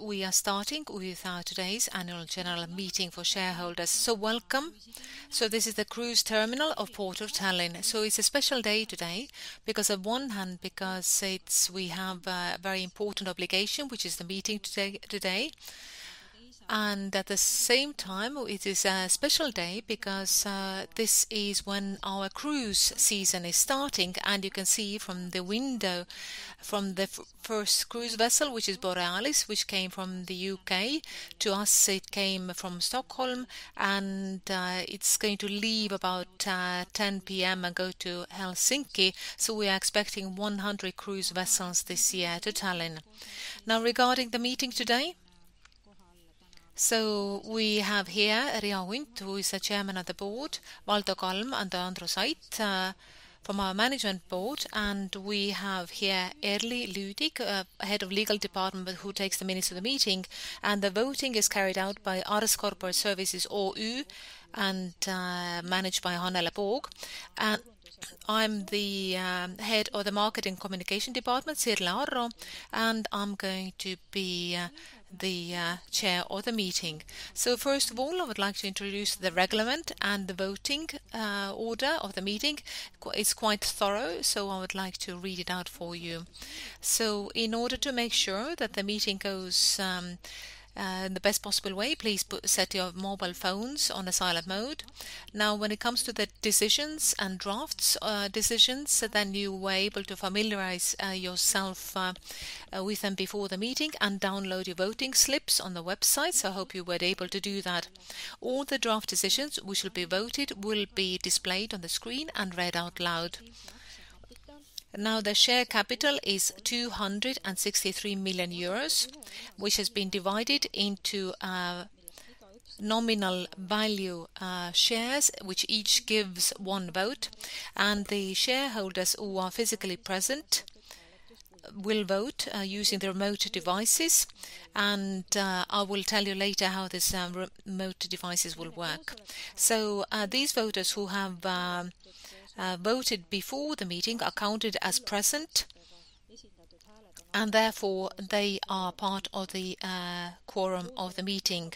We are starting with today's annual general meeting for shareholders. Welcome. This is the cruise terminal of Port of Tallinn. It's a special day today because on one hand, because we have a very important obligation, which is the meeting today. At the same time, it is a special day because this is when our cruise season is starting. You can see from the window from the first cruise vessel, which is Borealis, which came from the U.K. To us, it came from Stockholm, it's going to leave about 10:00 P.M. and go to Helsinki. We are expecting 100 cruise vessels this year to Tallinn. Now, regarding the meeting today. We have here Riho Unt, who is the Chairman of the board, Valdo Kalm and Andrus Ait, from our management board, and we have here Erly Lüdig, Head of Legal Department, but who takes the minutes of the meeting, and the voting is carried out by ARS Corporate Services OÜ, and managed by Annela Pugovkina. I'm the Head of the Marketing Communication Department, Sirle Arro, and I'm going to be the Chair of the meeting. First of all, I would like to introduce the regulation and the voting order of the meeting. It's quite thorough, so I would like to read it out for you. In order to make sure that the meeting goes in the best possible way, please set your mobile phones on a silent mode. When it comes to the decisions and drafts, decisions, then you were able to familiarize yourself with them before the meeting and download your voting slips on the website. I hope you were able to do that. All the draft decisions which will be voted will be displayed on the screen and read out loud. The share capital is 263 million euros, which has been divided into nominal value shares, which each gives one vote. The shareholders who are physically present will vote using their remote devices. I will tell you later how these remote devices will work. These voters who have voted before the meeting are counted as present, and therefore, they are part of the quorum of the meeting.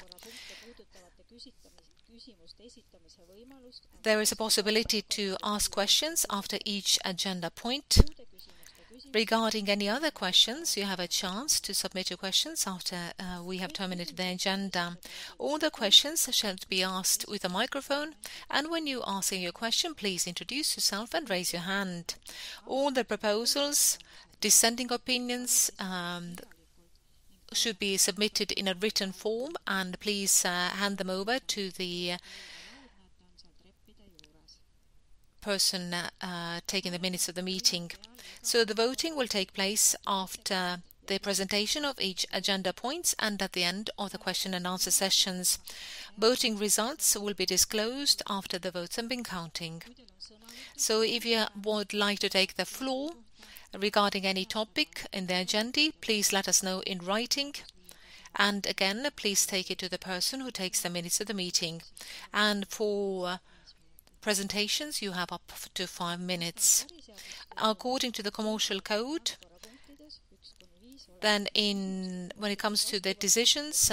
There is a possibility to ask questions after each agenda point. Regarding any other questions, you have a chance to submit your questions after we have terminated the agenda. All the questions shall be asked with a microphone, and when you're asking your question, please introduce yourself and raise your hand. All the proposals, dissenting opinions, and should be submitted in a written form, and please hand them over to the person taking the minutes of the meeting. The voting will take place after the presentation of each agenda points and at the end of the question-and-answer sessions. Voting results will be disclosed after the votes have been counting. If you would like to take the floor regarding any topic in the agenda, please let us know in writing. Again, please take it to the person who takes the minutes of the meeting. For presentations, you have up to five minutes. According to the Commercial Code, when it comes to the decisions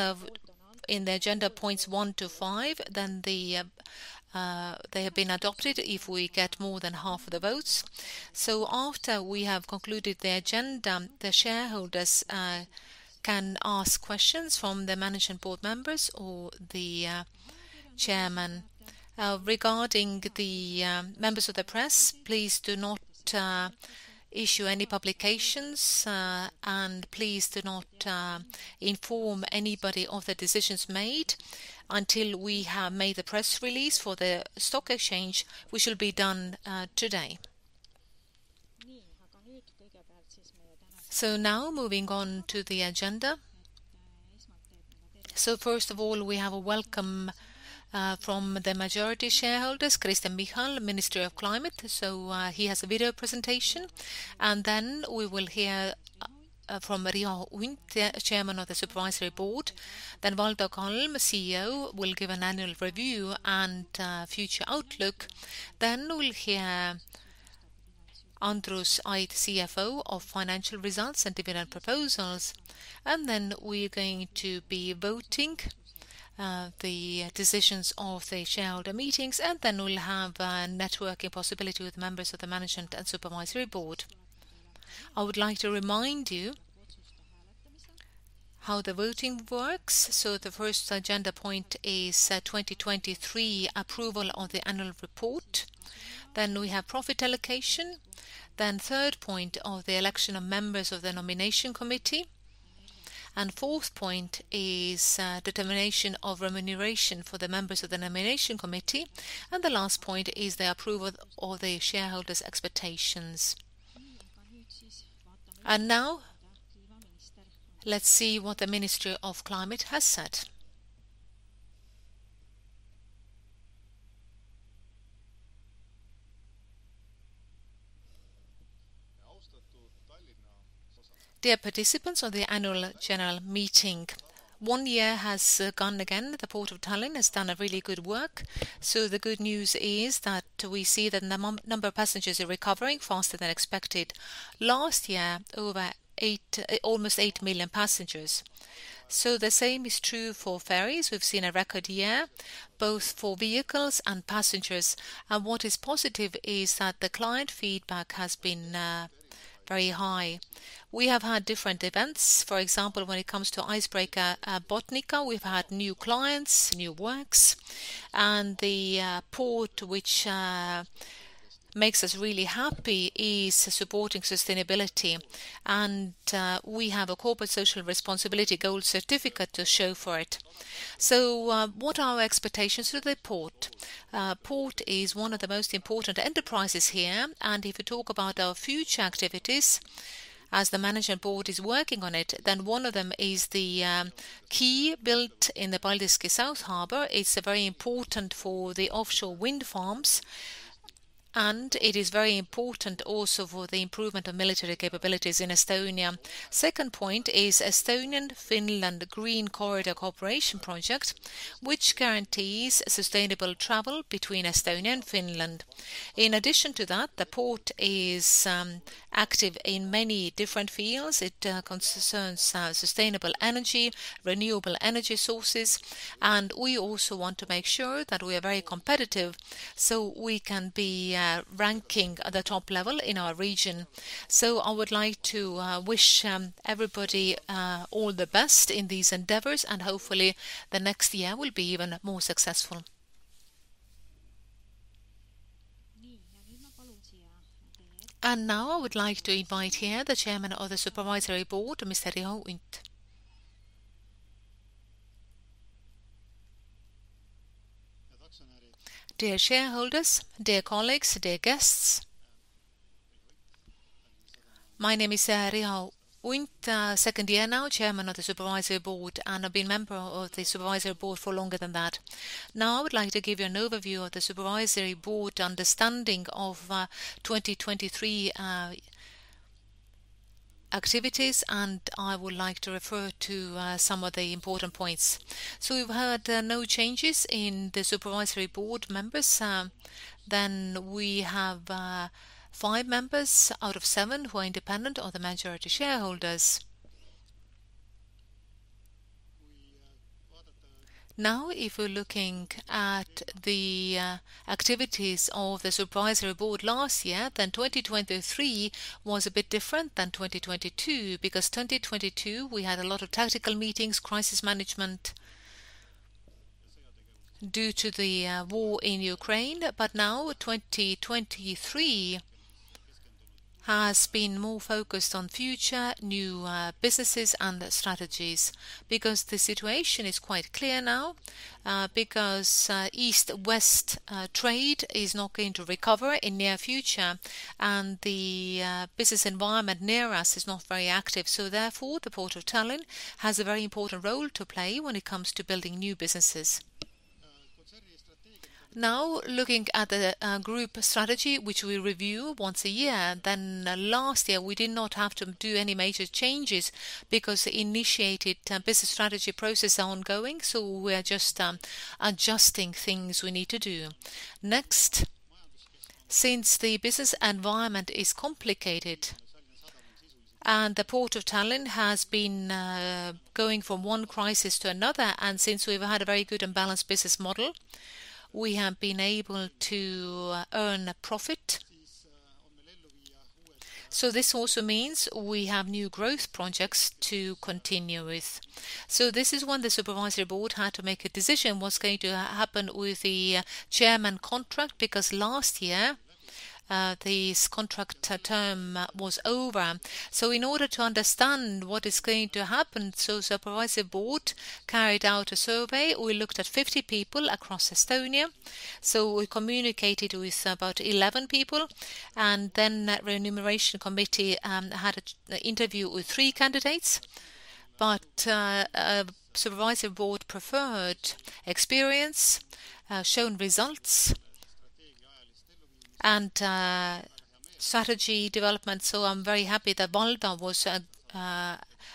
in the agenda points 1 to 5, they have been adopted if we get more than half of the votes. After we have concluded the agenda, the shareholders can ask questions from the management board members or the chairman. Regarding the members of the press, please do not issue any publications, and please do not inform anybody of the decisions made until we have made the press release for the stock exchange, which will be done today. Now moving on to the agenda. First of all, we have a welcome from the majority shareholders, Kristen Michal, Minister of Climate. Then we will hear from Riho Unt, the Chairman of the Supervisory Board. Valdo Kalm, CEO, will give an annual review and future outlook. We'll hear Andrus Ait, CFO, of financial results and dividend proposals. Then we're going to be voting the decisions of the shareholder meetings, and then we'll have a networking possibility with members of the Management and Supervisory Board. I would like to remind you how the voting works. The first agenda point is 2023 approval of the annual report. We have profit allocation. Third point of the election of members of the Nomination Committee. Fourth point is determination of remuneration for the members of the Nomination Committee. The last point is the approval of the shareholders' expectations. Now let's see what the Minister of Climate has said. Dear participants of the annual general meeting. One year has gone again. The Port of Tallinn has done a really good work. The good news is that we see that the number of passengers are recovering faster than expected. Last year, over almost 8 million passengers. The same is true for ferries. We've seen a record year, both for vehicles and passengers. What is positive is that the client feedback has been very high. We have had different events. For example, when it comes to Icebreaker Botnica, we've had new clients, new works. The port which makes us really happy is supporting sustainability. We have a corporate social responsibility gold certificate to show for it. What are our expectations for the port? Port is one of the most important enterprises here. If you talk about our future activities, as the management board is working on it, then one of them is the quay built in the Paldiski South Harbour. It's very important for the offshore wind farms, and it is very important also for the improvement of military capabilities in Estonia. Second point is Estonian-Finland Green Corridor Corporation project, which guarantees sustainable travel between Estonia and Finland. In addition to that, the port is active in many different fields. It concerns sustainable energy, renewable energy sources, and we also want to make sure that we are very competitive, so we can be ranking at the top level in our region. I would like to wish everybody all the best in these endeavors, and hopefully, the next year will be even more successful. Now, I would like to invite here the Chairman of the Supervisory Board, Mr. Riho Unt. Dear shareholders, dear colleagues, dear guests. My name is Riho Unt, second year now, Chairman of the Supervisory Board, and I've been member of the Supervisory Board for longer than that. Now, I would like to give you an overview of the Supervisory Board understanding of 2023 activities, and I would like to refer to some of the important points. We've had no changes in the Supervisory Board members. We have five members out of seven who are independent or the majority shareholders. If we're looking at the activities of the supervisory board last year, then 2023 was a bit different than 2022, because 2022, we had a lot of tactical meetings, crisis management due to the war in Ukraine. But now 2023 has been more focused on future, new businesses, and strategies. The situation is quite clear now, because east-west trade is not going to recover in near future, and the business environment near us is not very active. Therefore, Port of Tallinn has a very important role to play when it comes to building new businesses. Looking at the group strategy, which we review once a year, last year we did not have to do any major changes because the initiated business strategy process are ongoing, so we are just adjusting things we need to do. Since the business environment is complicated, and the Port of Tallinn has been going from one crisis to another, and since we've had a very good and balanced business model, we have been able to earn a profit. This also means we have new growth projects to continue with. This is when the supervisory board had to make a decision what's going to happen with the chairman contract, because last year this contract term was over. In order to understand what is going to happen, so supervisory board carried out a survey. We looked at 50 people across Estonia. We communicated with about 11 people, and then the Remuneration Committee had a interview with three candidates. Supervisory Board preferred experience, shown results, and strategy development. I'm very happy that Valdo Kalm was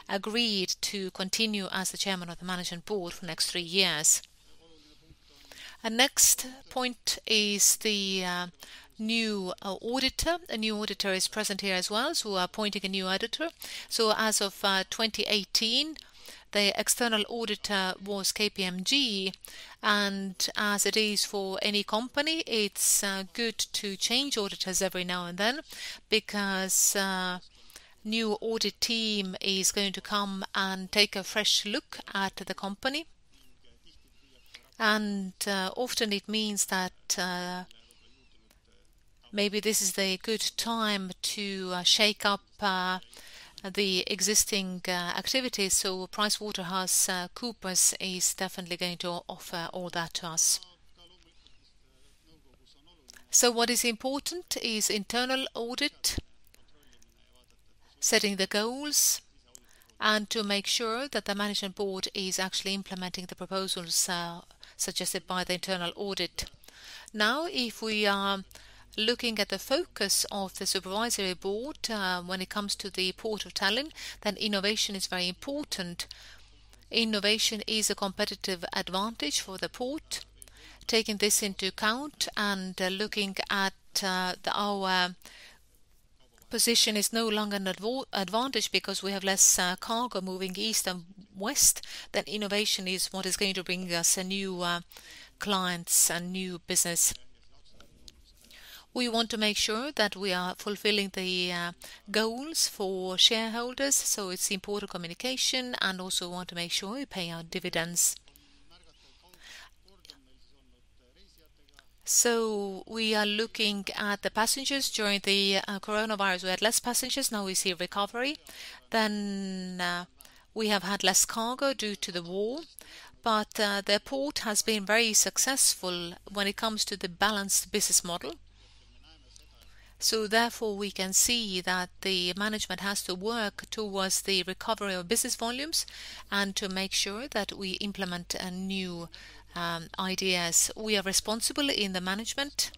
agreed to continue as the Chairman of the Management Board for the next three years. Next point is the new auditor. A new auditor is present here as well, so we are appointing a new auditor. As of 2018, the external auditor was KPMG, and as it is for any company, it's good to change auditors every now and then because new audit team is going to come and take a fresh look at the company. Often it means that maybe this is a good time to shake up the existing activities. PricewaterhouseCoopers is definitely going to offer all that to us. What is important is internal audit, setting the goals, and to make sure that the management board is actually implementing the proposals suggested by the internal audit. If we are looking at the focus of the supervisory board, when it comes to the Port of Tallinn, then innovation is very important. Innovation is a competitive advantage for the port. Taking this into account and looking at, the our position is no longer an advantage because we have less cargo moving east than west, then innovation is what is going to bring us a new clients and new business. We want to make sure that we are fulfilling the goals for shareholders, so it's important communication, and also want to make sure we pay our dividends. We are looking at the passengers. During the coronavirus, we had less passengers, now we see a recovery. We have had less cargo due to the war. The port has been very successful when it comes to the balanced business model. We can see that the management has to work towards the recovery of business volumes and to make sure that we implement a new ideas. We are responsible in the management,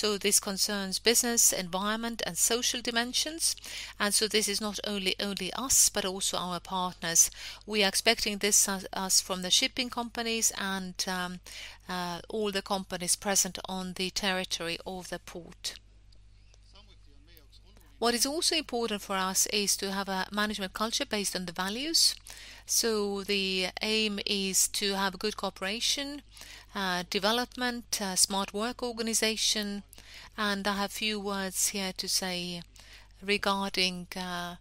this concerns business, environment, and social dimensions. This is not only us, but also our partners. We are expecting this as from the shipping companies and all the companies present on the territory of the port. What is also important for us is to have a management culture based on the values. The aim is to have good cooperation, development, smart work organization. I have a few words here to say regarding a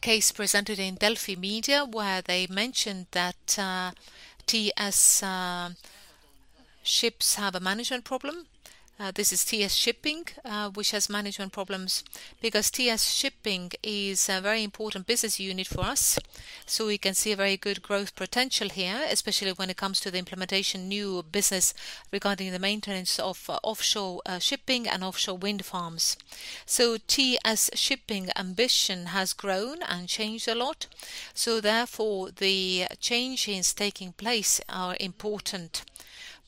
case presented in Delfi Meedia, where they mentioned that TS Shipping have a management problem. This is TS Shipping, which has management problems, because TS Shipping is a very important business unit for us. We can see a very good growth potential here, especially when it comes to the implementation new business regarding the maintenance of offshore shipping and offshore wind farms. TS Shipping ambition has grown and changed a lot. Therefore, the changes taking place are important.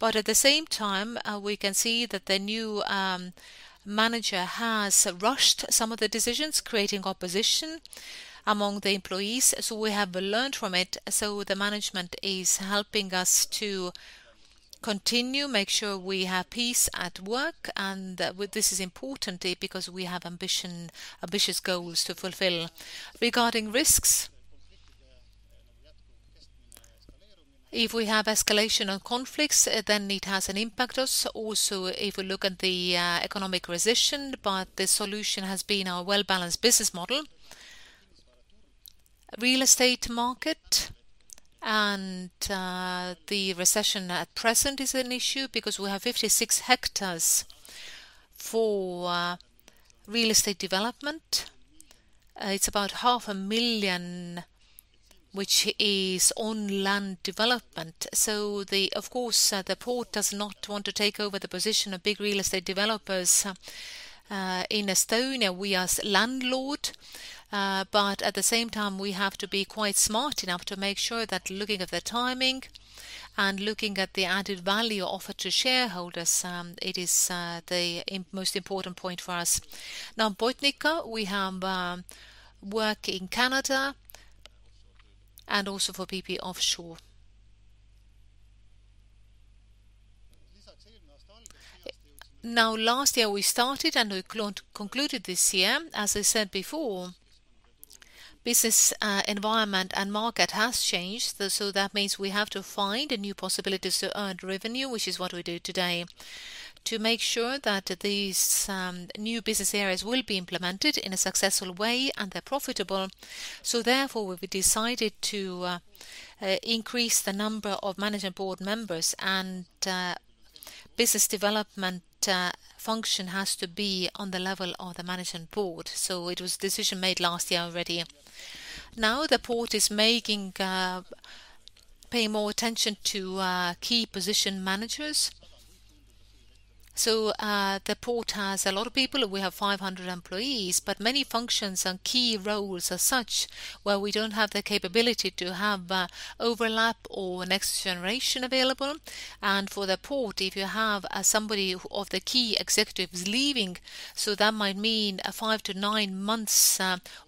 At the same time, we can see that the new manager has rushed some of the decisions, creating opposition among the employees. We have learned from it, the management is helping us to continue, make sure we have peace at work. This is important because we have ambitious goals to fulfill. Regarding risks, if we have escalation of conflicts, it has an impact to us. If we look at the economic recession, the solution has been our well-balanced business model. Real estate market and the recession at present is an issue because we have 56 hectares for real estate development. It's about half a million, which is on land development. Of course, the port does not want to take over the position of big real estate developers in Estonia. We are landlord, at the same time, we have to be quite smart enough to make sure that looking at the timing and looking at the added value offered to shareholders, it is the most important point for us. Botnica, we have work in Canada and also for BP offshore. Last year we started and we concluded this year. As I said before, business environment and market has changed. That means we have to find new possibilities to earn revenue, which is what we do today, to make sure that these new business areas will be implemented in a successful way, and they're profitable. Therefore, we decided to increase the number of management board members and business development function has to be on the level of the management board. It was decision made last year already. Now, the port is making pay more attention to quay position managers. The port has a lot of people. We have 500 employees, but many functions and quay roles are such where we don't have the capability to have overlap or next generation available. For the port, if you have somebody of the quay executives leaving, that might mean a five-nine months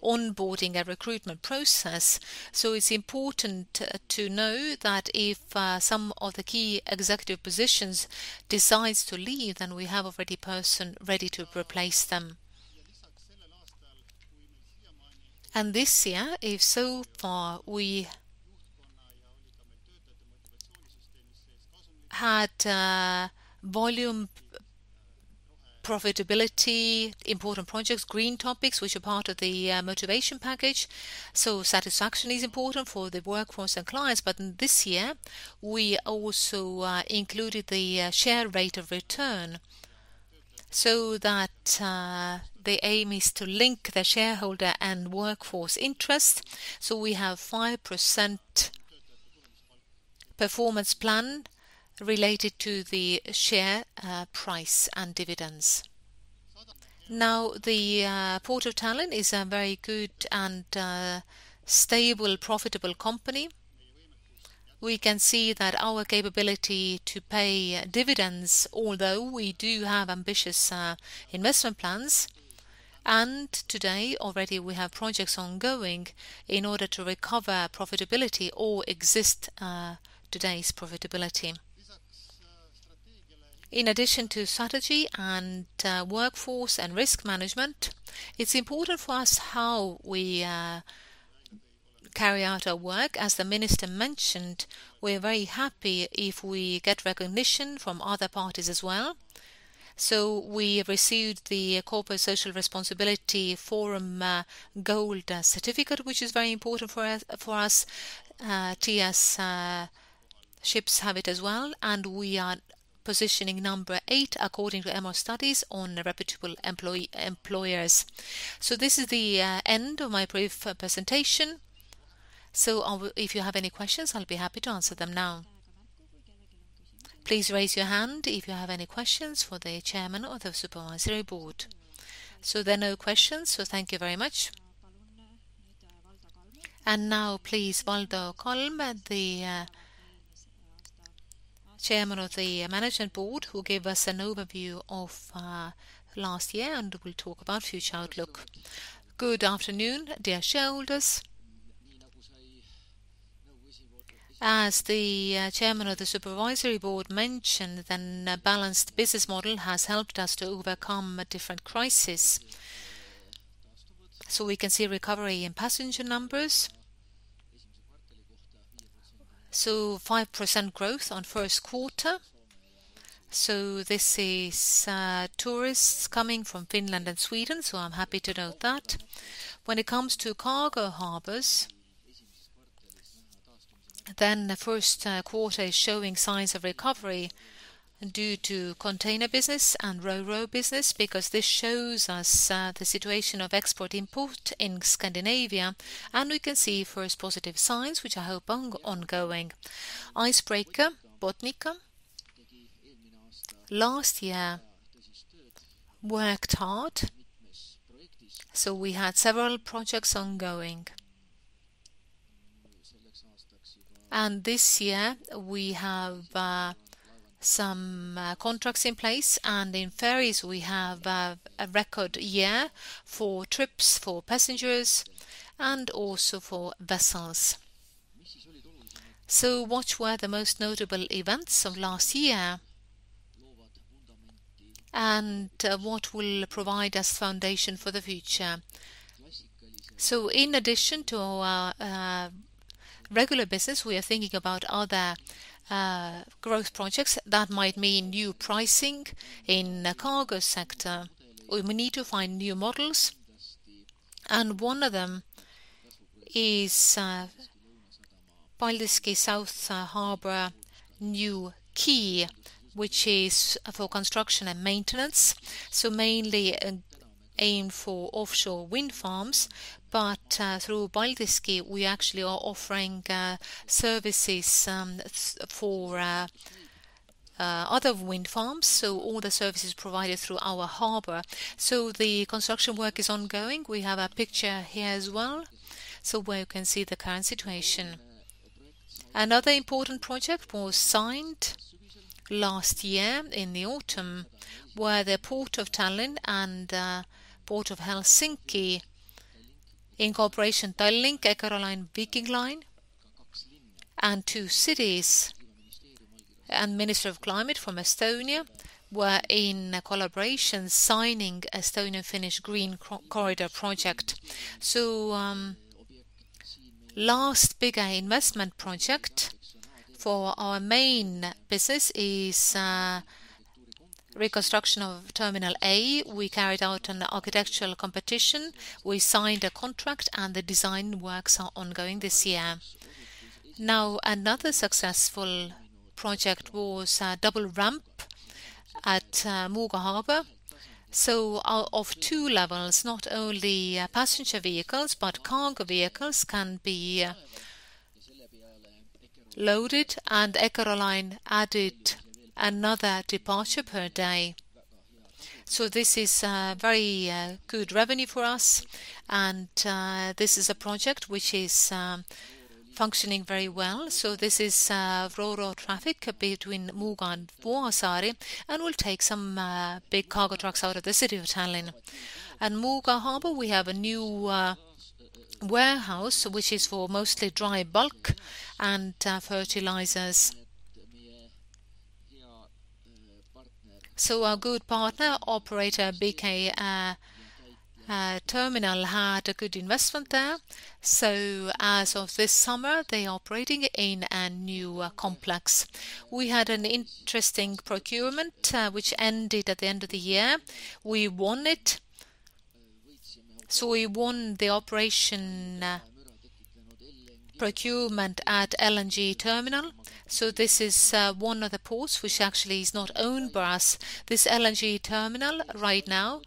onboarding and recruitment process. It's important to know that if some of the quay executive positions decides to leave, we have already person ready to replace them. This year, if so far we had volume profitability, important projects, green topics, which are part of the motivation package. Satisfaction is important for the workforce and clients. This year, we also included the share rate of return, so that the aim is to link the shareholder and workforce interest. We have a 5% performance plan related to the share price and dividends. The Port of Tallinn is a very good and stable, profitable company. We can see that our capability to pay dividends, although we do have ambitious investment plans, and today already we have projects ongoing in order to recover profitability or exist today's profitability. In addition to strategy and workforce and risk management, it's important for us how we carry out our work. As the minister mentioned, we're very happy if we get recognition from other parties as well. We have received the Responsible Business Forum in Estonia Gold Certificate, which is very important for us. TS ships have it as well, and we are positioning number 8 according to EMOR studies on reputable employee employers. This is the end of my brief presentation. If you have any questions, I'll be happy to answer them now. Please raise your hand if you have any questions for the chairman of the supervisory board. There are no questions. Thank you very much. Now please, Valdo Kalm, the chairman of the management board, who give us an overview of last year and will talk about future outlook. Good afternoon, dear shareholders. As the Chairman of the Supervisory Board mentioned, a balanced business model has helped us to overcome a different crisis. We can see recovery in passenger numbers, so 5% growth on 1st quarter. This is tourists coming from Finland and Sweden. I am happy to note that. When it comes to cargo harbours, the 1st quarter is showing signs of recovery due to container business and Ro-Ro business, because this shows us the situation of export-import in Scandinavia, and we can see 1st positive signs, which I hope ongoing. Icebreaker Botnica last year worked hard. We had several projects ongoing. This year we have some contracts in place, and in ferries we have a record year for trips for passengers and also for vessels. What were the most notable events of last year? What will provide us foundation for the future? In addition to our regular business, we are thinking about other growth projects. That might mean new pricing in the cargo sector. We need to find new models. One of them is Paldiski South Harbour new quay, which is for construction and maintenance, mainly aim for offshore wind farms. Through Paldiski, we actually are offering services for other wind farms, all the services provided through our Harbour. The construction work is ongoing. We have a picture here as well, where you can see the current situation. Another important project was signed last year in the autumn, where the Port of Tallinn and Port of Helsinki in cooperation Tallink, Eckerö Line, Viking Line, and two cities, and Minister of Climate from Estonia, were in a collaboration signing Estonian-Finnish Green Corridor project. Last bigger investment project for our main business is reconstruction of Terminal A. We carried out an architectural competition. We signed a contract. The design works are ongoing this year. Another successful project was a double ramp at Muuga Harbour, so of two levels, not only passenger vehicles, but cargo vehicles can be loaded, and Eckerö Line added another departure per day. This is very good revenue for us and this is a project which is functioning very well. This is Ro-Ro traffic between Muuga and Vuosaari, and will take some big cargo trucks out of the city of Tallinn. At Muuga Harbour, we have a new warehouse, which is for mostly dry bulk and fertilizers. Our good partner, operator PK Terminal, had a good investment there. As of this summer, they are operating in a new complex. We had an interesting procurement, which ended at the end of the year. We won it. We won the operation procurement at LNG Terminal. This is one of the ports which actually is not owned by us. This LNG Terminal right now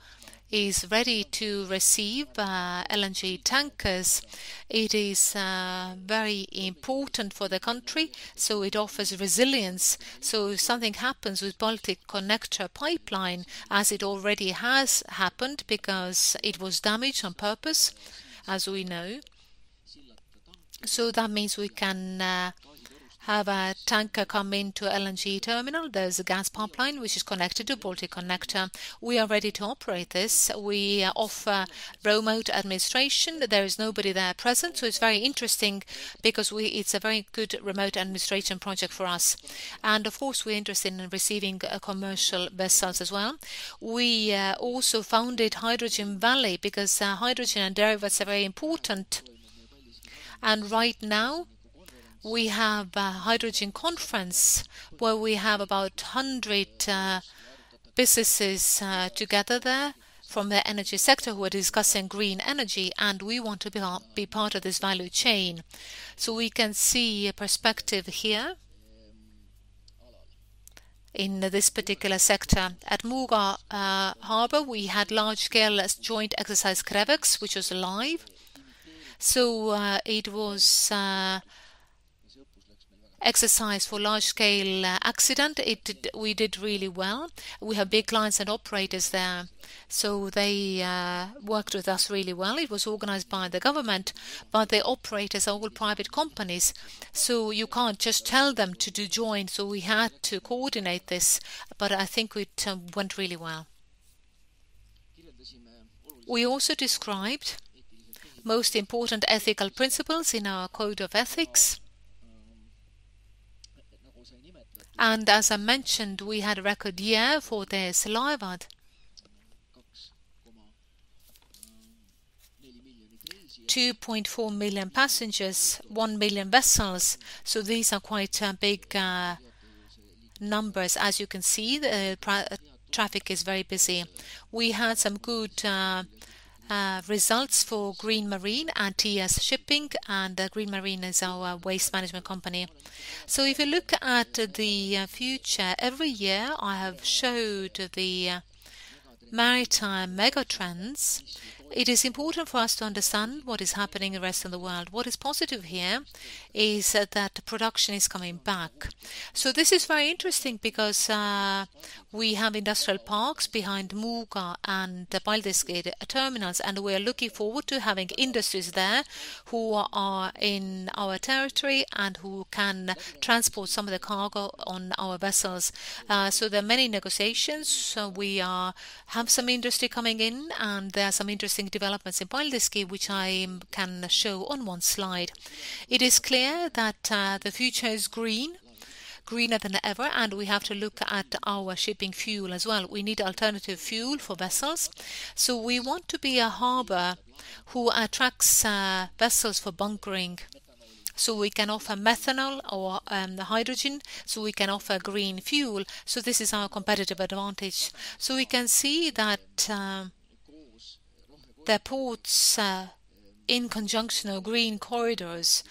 is ready to receive LNG tankers. It is very important for the country, it offers resilience. If something happens with Balticconnector pipeline, as it already has happened because it was damaged on purpose, as we know, that means we can have a tanker come into LNG Terminal. There's a gas pipeline which is connected to Balticconnector. We are ready to operate this. We offer remote administration. There is nobody there present, it's very interesting because it's a very good remote administration project for us. Of course, we're interested in receiving commercial vessels as well. We also founded Hydrogen Valley because hydrogen and derivatives are very important. Right now, we have a hydrogen conference where we have about 100 businesses together there from the energy sector who are discussing green energy, and we want to be part of this value chain. We can see a perspective here in this particular sector. At Muuga Harbour, we had large-scale joint exercise, CREVEX, which was alive. It was exercise for large-scale accident. We did really well. We have big clients and operators there, so they worked with us really well. It was organized by the government, but the operators are all private companies, so you can't just tell them to do joint. We had to coordinate this, but I think it went really well. We also described most important ethical principles in our code of ethics. As I mentioned, we had a record year for the Silja Line. 2.4 million passengers, 1 million vessels, these are quite big numbers. As you can see, the traffic is very busy. We had some good results for Green Marine and TS Shipping. Green Marine is our waste management company. If you look at the future, every year I have showed the maritime megatrends. It is important for us to understand what is happening the rest of the world. What is positive here is that production is coming back. This is very interesting because we have industrial parks behind Muuga and Paldiski terminals, and we are looking forward to having industries there who are in our territory and who can transport some of the cargo on our vessels. There are many negotiations. We have some industry coming in, and there are some interesting developments in Paldiski which I can show on one slide. It is clear that the future is green, greener than ever, and we have to look at our shipping fuel as well. We need alternative fuel for vessels. We want to be a harbor who attracts vessels for bunkering. We can offer methanol or the hydrogen, so we can offer green fuel. This is our competitive advantage. We can see that the ports, in conjunction of green corridors,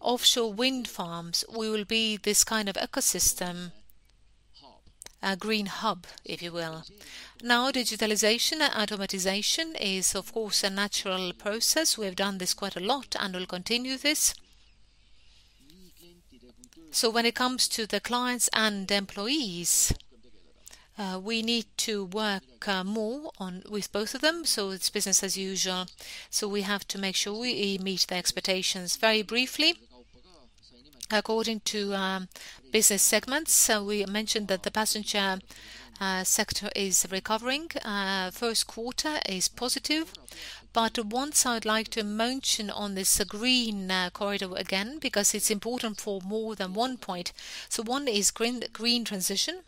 offshore wind farms, we will be this kind of ecosystem, a green hub, if you will. Digitalization and automatization is of course a natural process. We have done this quite a lot, and we'll continue this. When it comes to the clients and employees, we need to work more on with both of them, so it's business as usual. We have to make sure we meet the expectations very briefly. According to business segments, we mentioned that the passenger sector is recovering. First quarter is positive. Once I would like to mention on this Green Corridor again, because it's important for more than 1 point. 1 is green transition.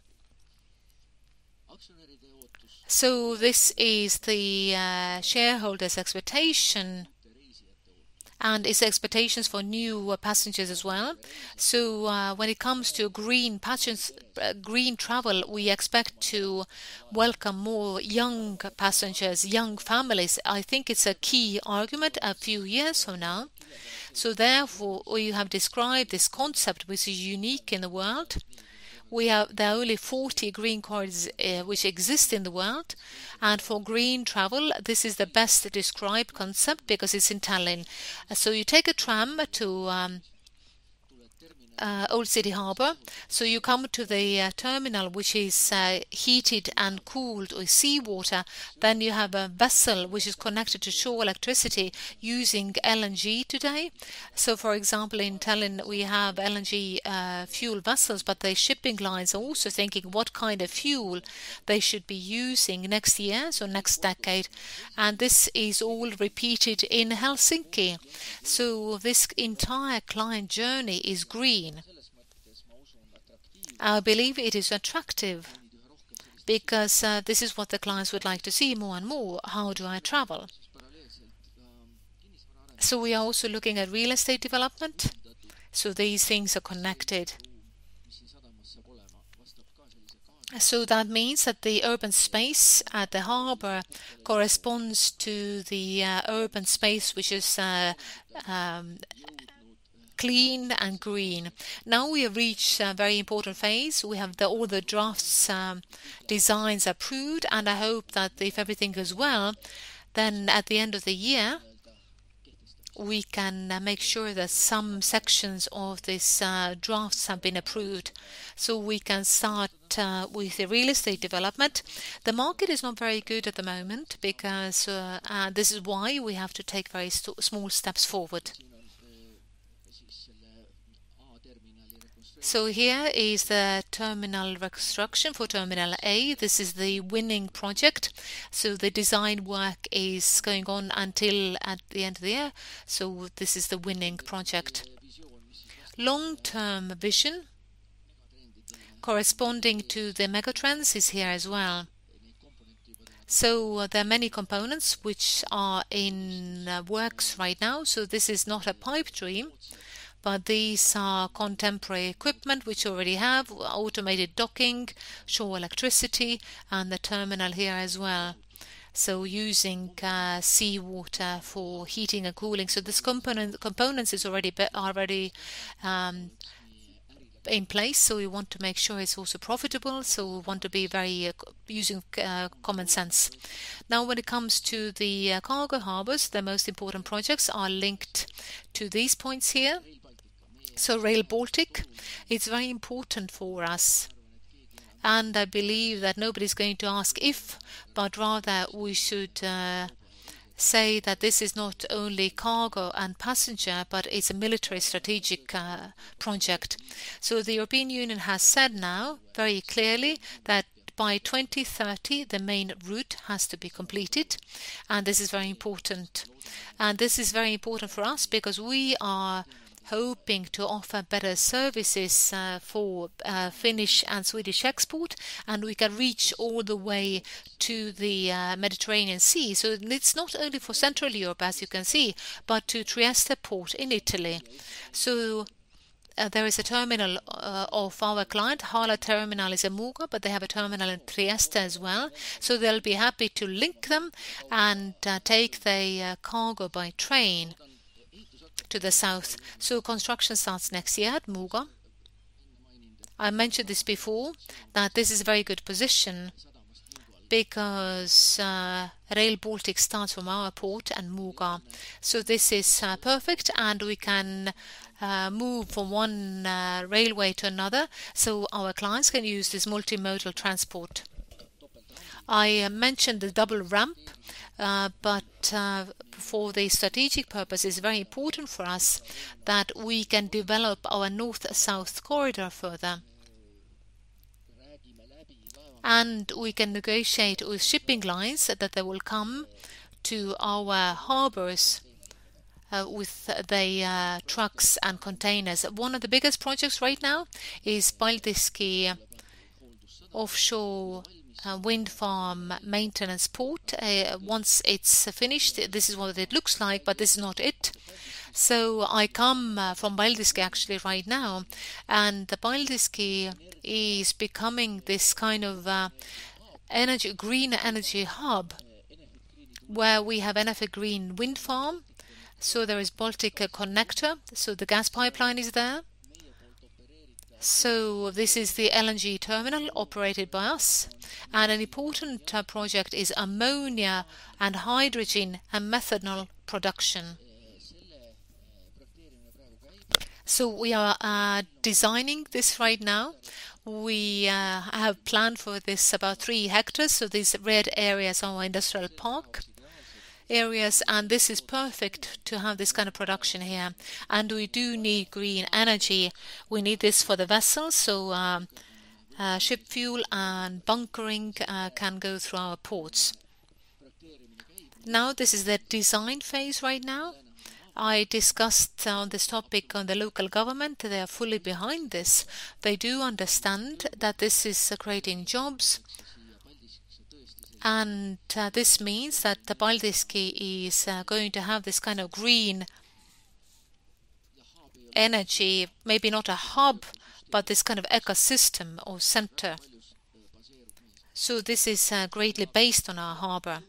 This is the shareholder's expectation and its expectations for new passengers as well. When it comes to green passengers, green travel, we expect to welcome more young passengers, young families. I think it's a quay argument a few years from now. Therefore, we have described this concept which is unique in the world. There are only 40 green corridors which exist in the world. For green travel, this is the best described concept because it's in Tallinn. You take a tram to Old City Harbour. You come to the terminal, which is heated and cooled with seawater. You have a vessel which is connected to shore electricity using LNG today. For example, in Tallinn, we have LNG fuel vessels, but the shipping lines are also thinking what kind of fuel they should be using next year, so next decade. This is all repeated in Helsinki. This entire client journey is green. I believe it is attractive because this is what the clients would like to see more and more. How do I travel? We are also looking at real estate development, so these things are connected. That means that the urban space at the Harbour corresponds to the urban space which is clean and green. Now we have reached a very important phase. We have all the drafts, designs approved, and I hope that if everything goes well, then at the end of the year, we can make sure that some sections of these drafts have been approved, so we can start with the real estate development. The market is not very good at the moment because this is why we have to take very small steps forward. Here is the terminal reconstruction for Terminal A. This is the winning project. The design work is going on until at the end of the year. This is the winning project. Long-term vision corresponding to the megatrends is here as well. There are many components which are in works right now. This is not a pipe dream, but these are contemporary equipment which already have automated docking, shore electricity, and the terminal here as well. Using seawater for heating and cooling. These components is already in place, so we want to make sure it's also profitable, so we want to be very using common sense. Now, when it comes to the cargo harbors, the most important projects are linked to these points here. Rail Baltica, it's very important for us, and I believe that nobody's going to ask if, but rather we should say that this is not only cargo and passenger, but it's a military strategic project. The European Union has said now very clearly that by 2030 the main route has to be completed, and this is very important. This is very important for us because we are hoping to offer better services for Finnish and Swedish export, and we can reach all the way to the Mediterranean Sea. It's not only for Central Europe, as you can see, but to Trieste Port in Italy. There is a terminal of our client. HHLA Terminal is in Muuga, but they have a terminal in Trieste as well. They'll be happy to link them and take the cargo by train to the south. Construction starts next year at Muuga. I mentioned this before, that this is a very good position because Rail Baltica starts from our port and Muuga. This is perfect, and we can move from one railway to another, so our clients can use this multimodal transport. I mentioned the double ramp, for the strategic purpose, it's very important for us that we can develop our north-south corridor further. We can negotiate with shipping lines that they will come to our Harbour with the trucks and containers. One of the biggest projects right now is Paldiski Offshore wind farm maintenance port. Once it's finished, this is what it looks like, this is not it. I come from Paldiski actually right now, the Paldiski is becoming this kind of energy, green energy hub where we have Enefit Green wind farm. There is Balticconnector, the gas pipeline is there. This is the LNG terminal operated by us. An important project is ammonia and hydrogen a methanol production. We are designing this right now. We have planned for this about three hectares. These red areas are our industrial park areas, and this is perfect to have this kind of production here. We do need green energy. We need this for the vessels. Ship fuel and bunkering can go through our ports. This is the design phase right now. I discussed this topic on the local government. They are fully behind this. They do understand that this is creating jobs. This means that Paldiski is going to have this kind of green energy, maybe not a hub, but this kind of ecosystem or center. This is greatly based on our Harbour.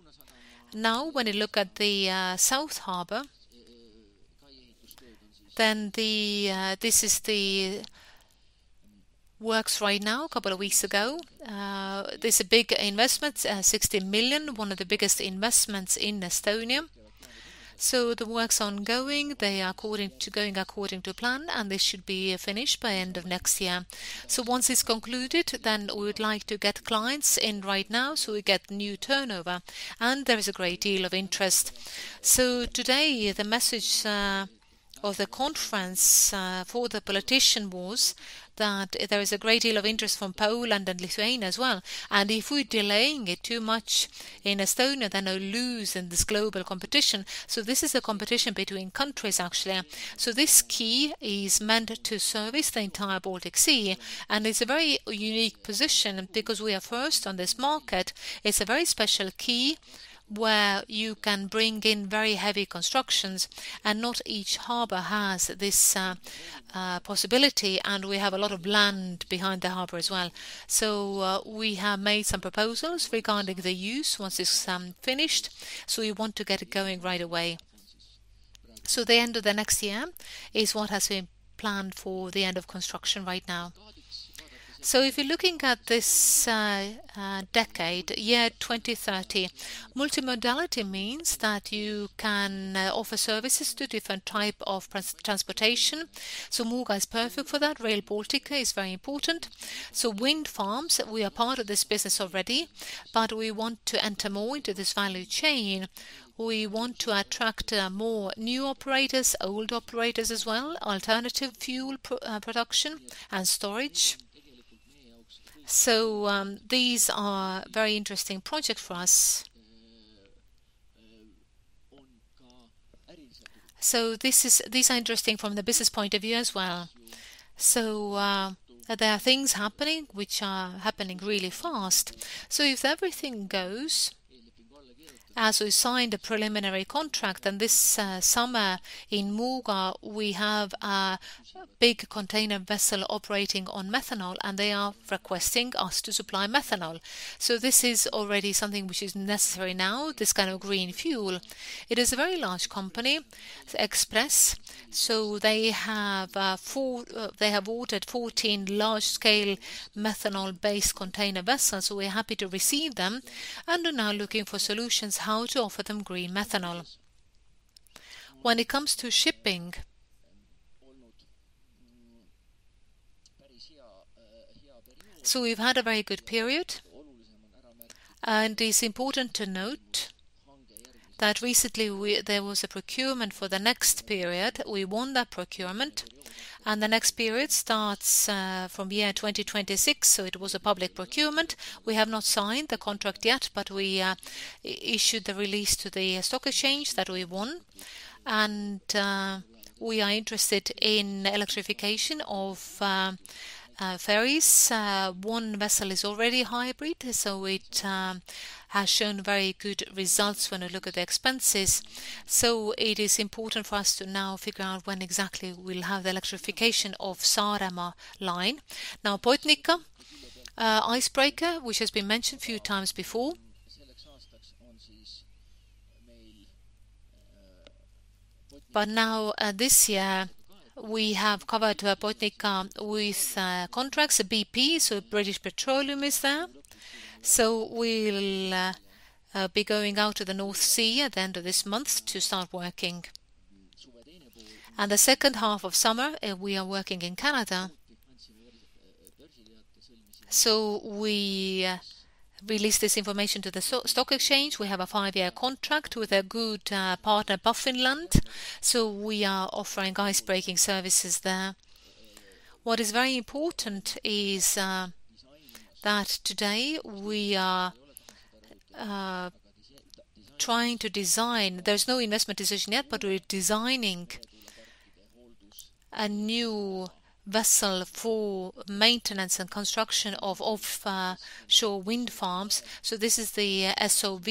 When you look at the South Harbour, this is the works right now, a couple of weeks ago. There's a big investment, 60 million, one of the biggest investments in Estonia. The work's ongoing. They are going according to plan, they should be finished by end of next year. Once it's concluded, we would like to get clients in right now, we get new turnover. There is a great deal of interest. Today, the message of the conference for the politician was that there is a great deal of interest from Poland and Lithuania as well. If we're delaying it too much in Estonia, we'll lose in this global competition. This is a competition between countries actually. This quay is meant to service the entire Baltic Sea, it's a very unique position because we are first on this market. It's a very special quay where you can bring in very heavy constructions, and not each harbor has this possibility, and we have a lot of land behind the Harbour as well. We have made some proposals regarding the use once it's finished. We want to get it going right away. The end of the next year is what has been planned for the end of construction right now. If you're looking at this decade, year 2030, multimodality means that you can offer services to different type of transportation. Muuga is perfect for that. Rail Baltica is very important. Wind farms, we are part of this business already, but we want to enter more into this value chain. We want to attract more new operators, old operators as well, alternative fuel production and storage. These are very interesting project for us. These are interesting from the business point of view as well. There are things happening which are happening really fast. If everything goes as we signed a preliminary contract, then this summer in Muuga, we have a big container vessel operating on methanol, and they are requesting us to supply methanol. This is already something which is necessary now, this kind of green fuel. It is a very large company, X-Press Feeders, so they have ordered 14 large-scale methanol-based container vessels, so we're happy to receive them and are now looking for solutions how to offer them green methanol. When it comes to shipping, we've had a very good period, and it is important to note that recently there was a procurement for the next period. We won that procurement, and the next period starts from year 2026, so it was a public procurement. We have not signed the contract yet, but we issued the release to the stock exchange that we won and we are interested in electrification of ferries. One vessel is already hybrid, so it has shown very good results when you look at the expenses. It is important for us to now figure out when exactly we'll have the electrification of Saaremaa line. Botnica icebreaker, which has been mentioned a few times before. Now, this year, we have covered Botnica with contracts, BP, so British Petroleum is there. We'll be going out to the North Sea at the end of this month to start working. The second half of summer, we are working in Canada. We released this information to the stock exchange. We have a five-year contract with a good partner, Baffinland, so we are offering icebreaking services there. What is very important is that today we are trying to design. There's no investment decision yet, but we're designing a new vessel for maintenance and construction of offshore wind farms, so this is the SOV.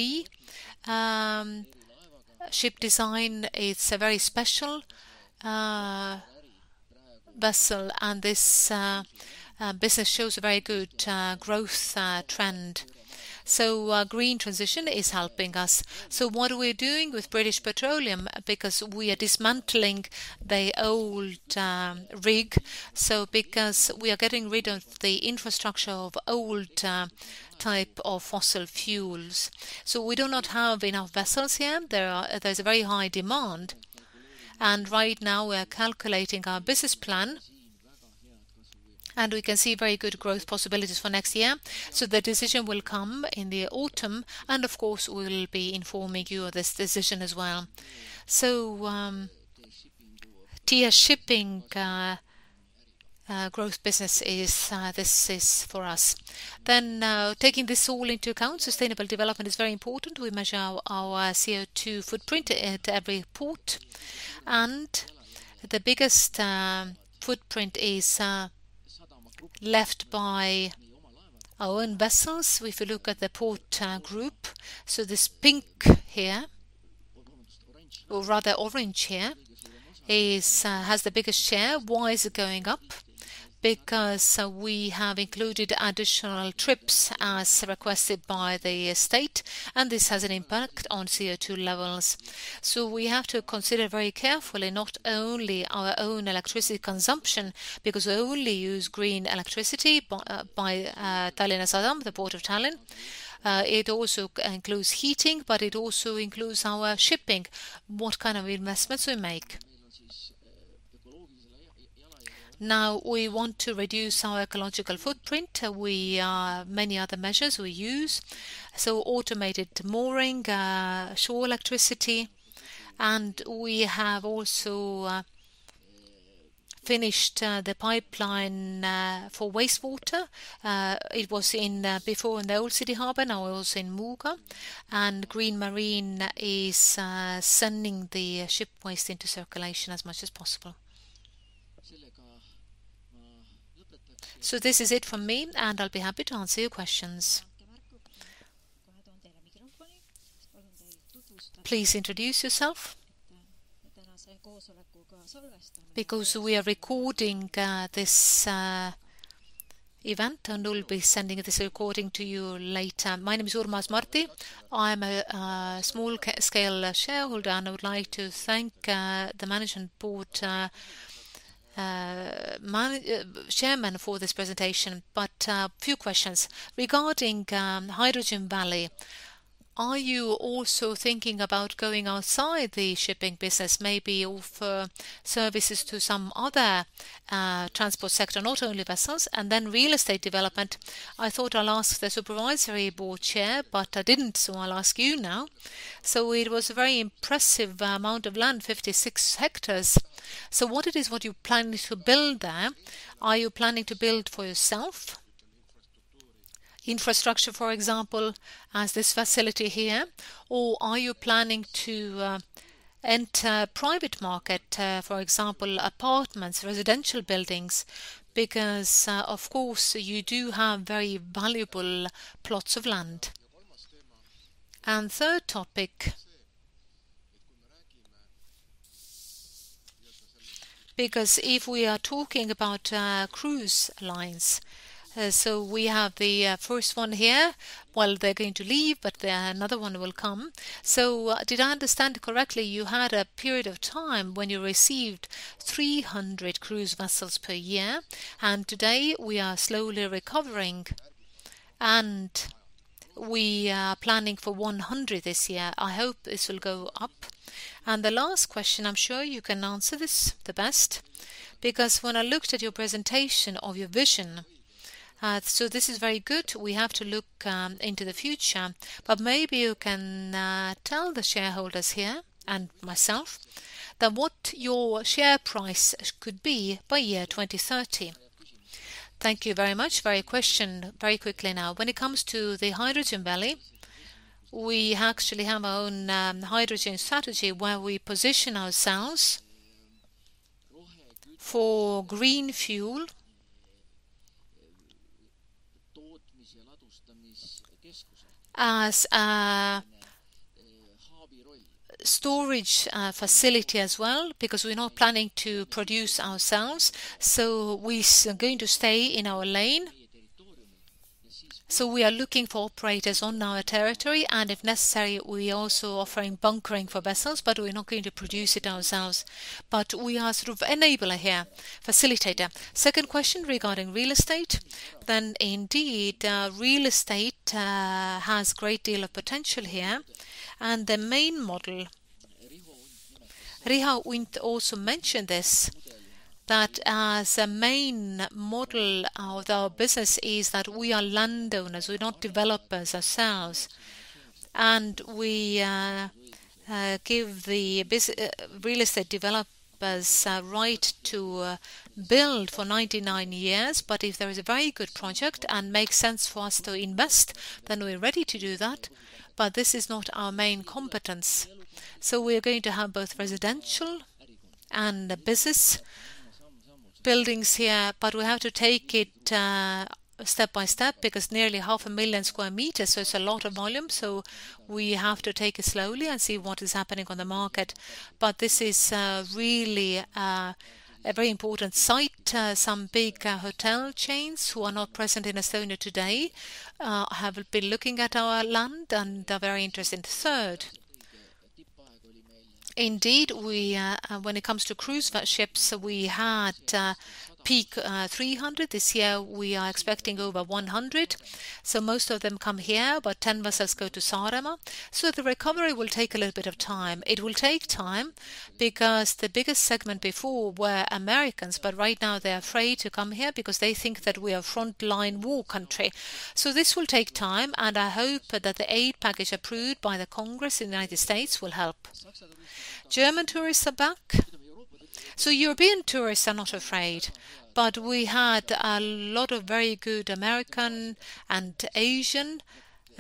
Ship design, it's a very special vessel and this business shows a very good growth trend. Green transition is helping us. What we're doing with British Petroleum, because we are dismantling the old rig, so because we are getting rid of the infrastructure of old type of fossil fuels. We do not have enough vessels here. There's a very high demand, and right now we are calculating our business plan, and we can see very good growth possibilities for next year. The decision will come in the autumn and, of course, we will be informing you of this decision as well. TS Shipping growth business is this is for us. Taking this all into account, sustainable development is very important. We measure our CO2 footprint at every port, and the biggest footprint is left by our own vessels if you look at the port group. This pink here, or rather orange here, has the biggest share. Why is it going up? We have included additional trips as requested by the state, and this has an impact on CO2 levels. We have to consider very carefully not only our own electricity consumption, because we only use green electricity by AS Tallinna Sadam, the Port of Tallinn. It also includes heating, it also includes our shipping, what kind of investments we make. We want to reduce our ecological footprint. We, many other measures we use, automated mooring, shore electricity, and we have also finished the pipeline for wastewater. It was before in the Old City Harbour, now also in Muuga. Green Marine is sending the ship waste into circulation as much as possible. This is it from me, and I'll be happy to answer your questions. Please introduce yourself. Because we are recording this event, and we'll be sending this recording to you later. My name is Urmas Marti. I'm a small-scale shareholder, and I would like to thank the Management Board Chairman for this presentation. Few questions. Regarding Hydrogen Valley, are you also thinking about going outside the shipping business, maybe offer services to some other transport sector, not only vessels? Real estate development, I thought I'll ask the Supervisory Board Chair, but I didn't, so I'll ask you now. It was a very impressive amount of land, 56 hectares. What it is what you're planning to build there? Are you planning to build for yourself? Infrastructure, for example, as this facility here, or are you planning to enter private market, for example, apartments, residential buildings? Of course you do have very valuable plots of land. Third topic. If we are talking about cruise lines, we have the first one here. Well, they're going to leave, another one will come. Did I understand correctly, you had a period of time when you received 300 cruise vessels per year, today we are slowly recovering, we are planning for 100 this year. I hope this will go up. The last question, I'm sure you can answer this the best, when I looked at your presentation of your vision, this is very good. We have to look into the future. Maybe you can tell the shareholders here and myself what your share price could be by year 2030. Thank you very much for your question. Very quickly now. When it comes to the Hydrogen Valley, we actually have our own hydrogen strategy where we position ourselves for green fuel as a storage facility as well, because we're not planning to produce ourselves, so we are going to stay in our lane. We are looking for operators on our territory, and if necessary, we also offering bunkering for vessels, but we're not going to produce it ourselves. We are sort of enabler here, facilitator. Second question regarding real estate, indeed, real estate has great deal of potential here and the main model. Riho Unt also mentioned this, that the main model of our business is that we are landowners. We're not developers ourselves, we give the real estate developers right to build for 99 years. If there is a very good project and makes sense for us to invest, then we're ready to do that. This is not our main competence. We are going to have both residential and business buildings here, but we have to take it step by step because nearly half a million sq m, so it's a lot of volume. We have to take it slowly and see what is happening on the market. This is really a very important site. Some big hotel chains who are not present in Estonia today have been looking at our land, and they're very interested. Third, indeed, when it comes to cruise ships, we had peak 300. This year we are expecting over 100, so most of them come here, but 10 vessels go to Saaremaa. The recovery will take a little bit of time. It will take time because the biggest segment before were Americans, but right now they're afraid to come here because they think that we are frontline war country. This will take time, and I hope that the aid package approved by the Congress in the U.S. will help. German tourists are back. European tourists are not afraid, but we had a lot of very good American and Asian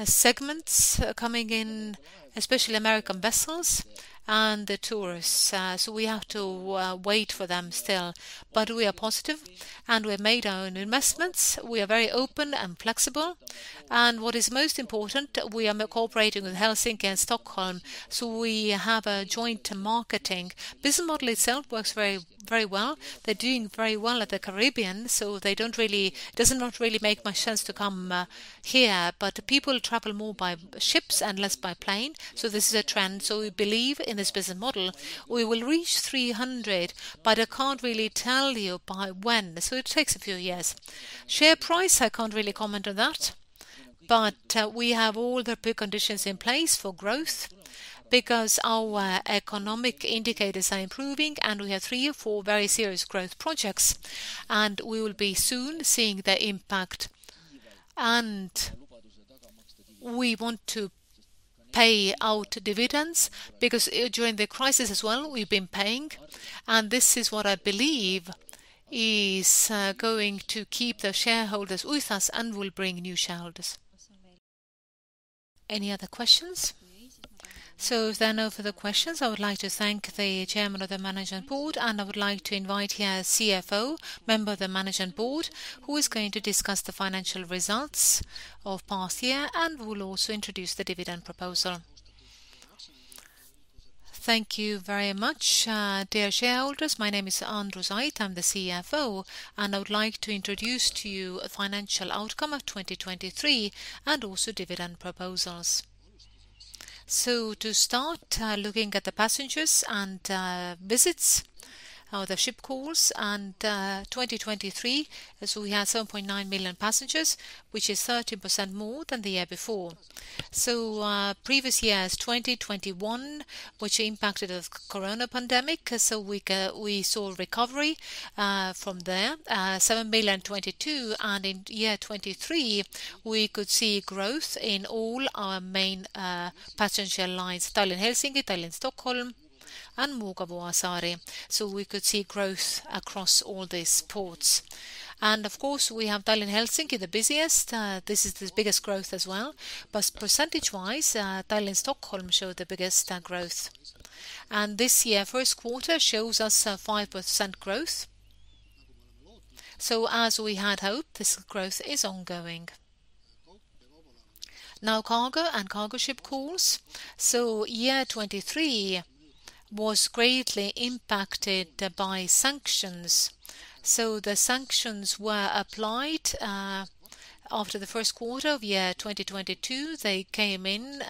segments coming in, especially American vessels and the tourists. We have to wait for them still. We are positive, and we have made our own investments. We are very open and flexible. What is most important, we are cooperating with Helsinki and Stockholm, we have a joint marketing. Business model itself works very well. They're doing very well at the Caribbean, they don't really make much sense to come here, but people travel more by ships and less by plane, this is a trend. We believe in this business model, we will reach 300, but I can't really tell you by when, it takes a few years. Share price, I can't really comment on that, we have all the pre-conditions in place for growth because our economic indicators are improving, we have three or four very serious growth projects, we will be soon seeing the impact. We want to pay out dividends because during the crisis as well, we've been paying, and this is what I believe is going to keep the shareholders with us and will bring new shareholders. Any other questions? If there are no further questions, I would like to thank the Chairman of the Management Board, and I would like to invite here CFO, Member of the Management Board, who is going to discuss the financial results of past year and will also introduce the dividend proposal. Thank you very much. Dear shareholders, my name is Andrus Ait. I'm the CFO, and I would like to introduce to you financial outcome of 2023 and also dividend proposals. To start, looking at the passengers and visits, the ship calls and 2023, we had 7.9 million passengers, which is 30% more than the year before. Previous years, 2021, which impacted the corona pandemic, we saw a recovery from there. 7 million 2022, and in year 2023, we could see growth in all our main passenger lines, Tallinn-Helsinki, Tallinn-Stockholm, and Muuga-Vuosaari. We could see growth across all these ports. Of course, we have Tallinn-Helsinki, the busiest. This is the biggest growth as well. Percentage-wise, Tallinn-Stockholm showed the biggest growth. This year, first quarter shows us a 5% growth. As we had hoped, this growth is ongoing. Now cargo and cargo ship calls. Year 2023 was greatly impacted by sanctions. The sanctions were applied after the first quarter of year 2022. They came in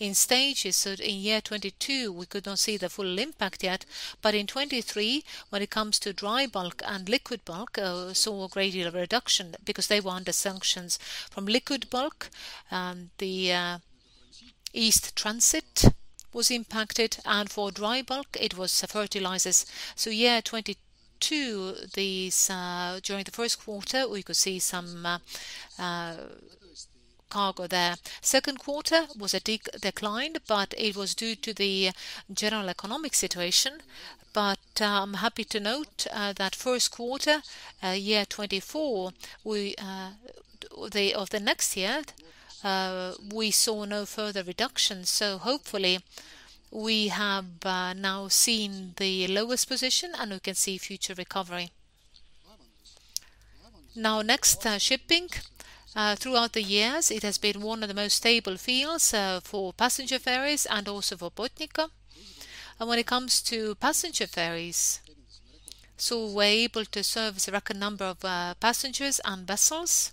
in stages. In year 2022, we could not see the full impact yet. In 2023, when it comes to dry bulk and liquid bulk, saw a great deal of reduction because they were under sanctions. From liquid bulk, the East transit was impacted, and for dry bulk it was fertilizers. Year 2022, these, during the first quarter, we could see some cargo there. Second quarter was a decline, but it was due to the general economic situation. Happy to note that first quarter, year 2024, we of the next year, we saw no further reductions. Hopefully we have now seen the lowest position, and we can see future recovery. Next, shipping. Throughout the years, it has been one of the most stable fields for passenger ferries and also for Botnica. When it comes to passenger ferries, so we're able to service a record number of passengers and vessels.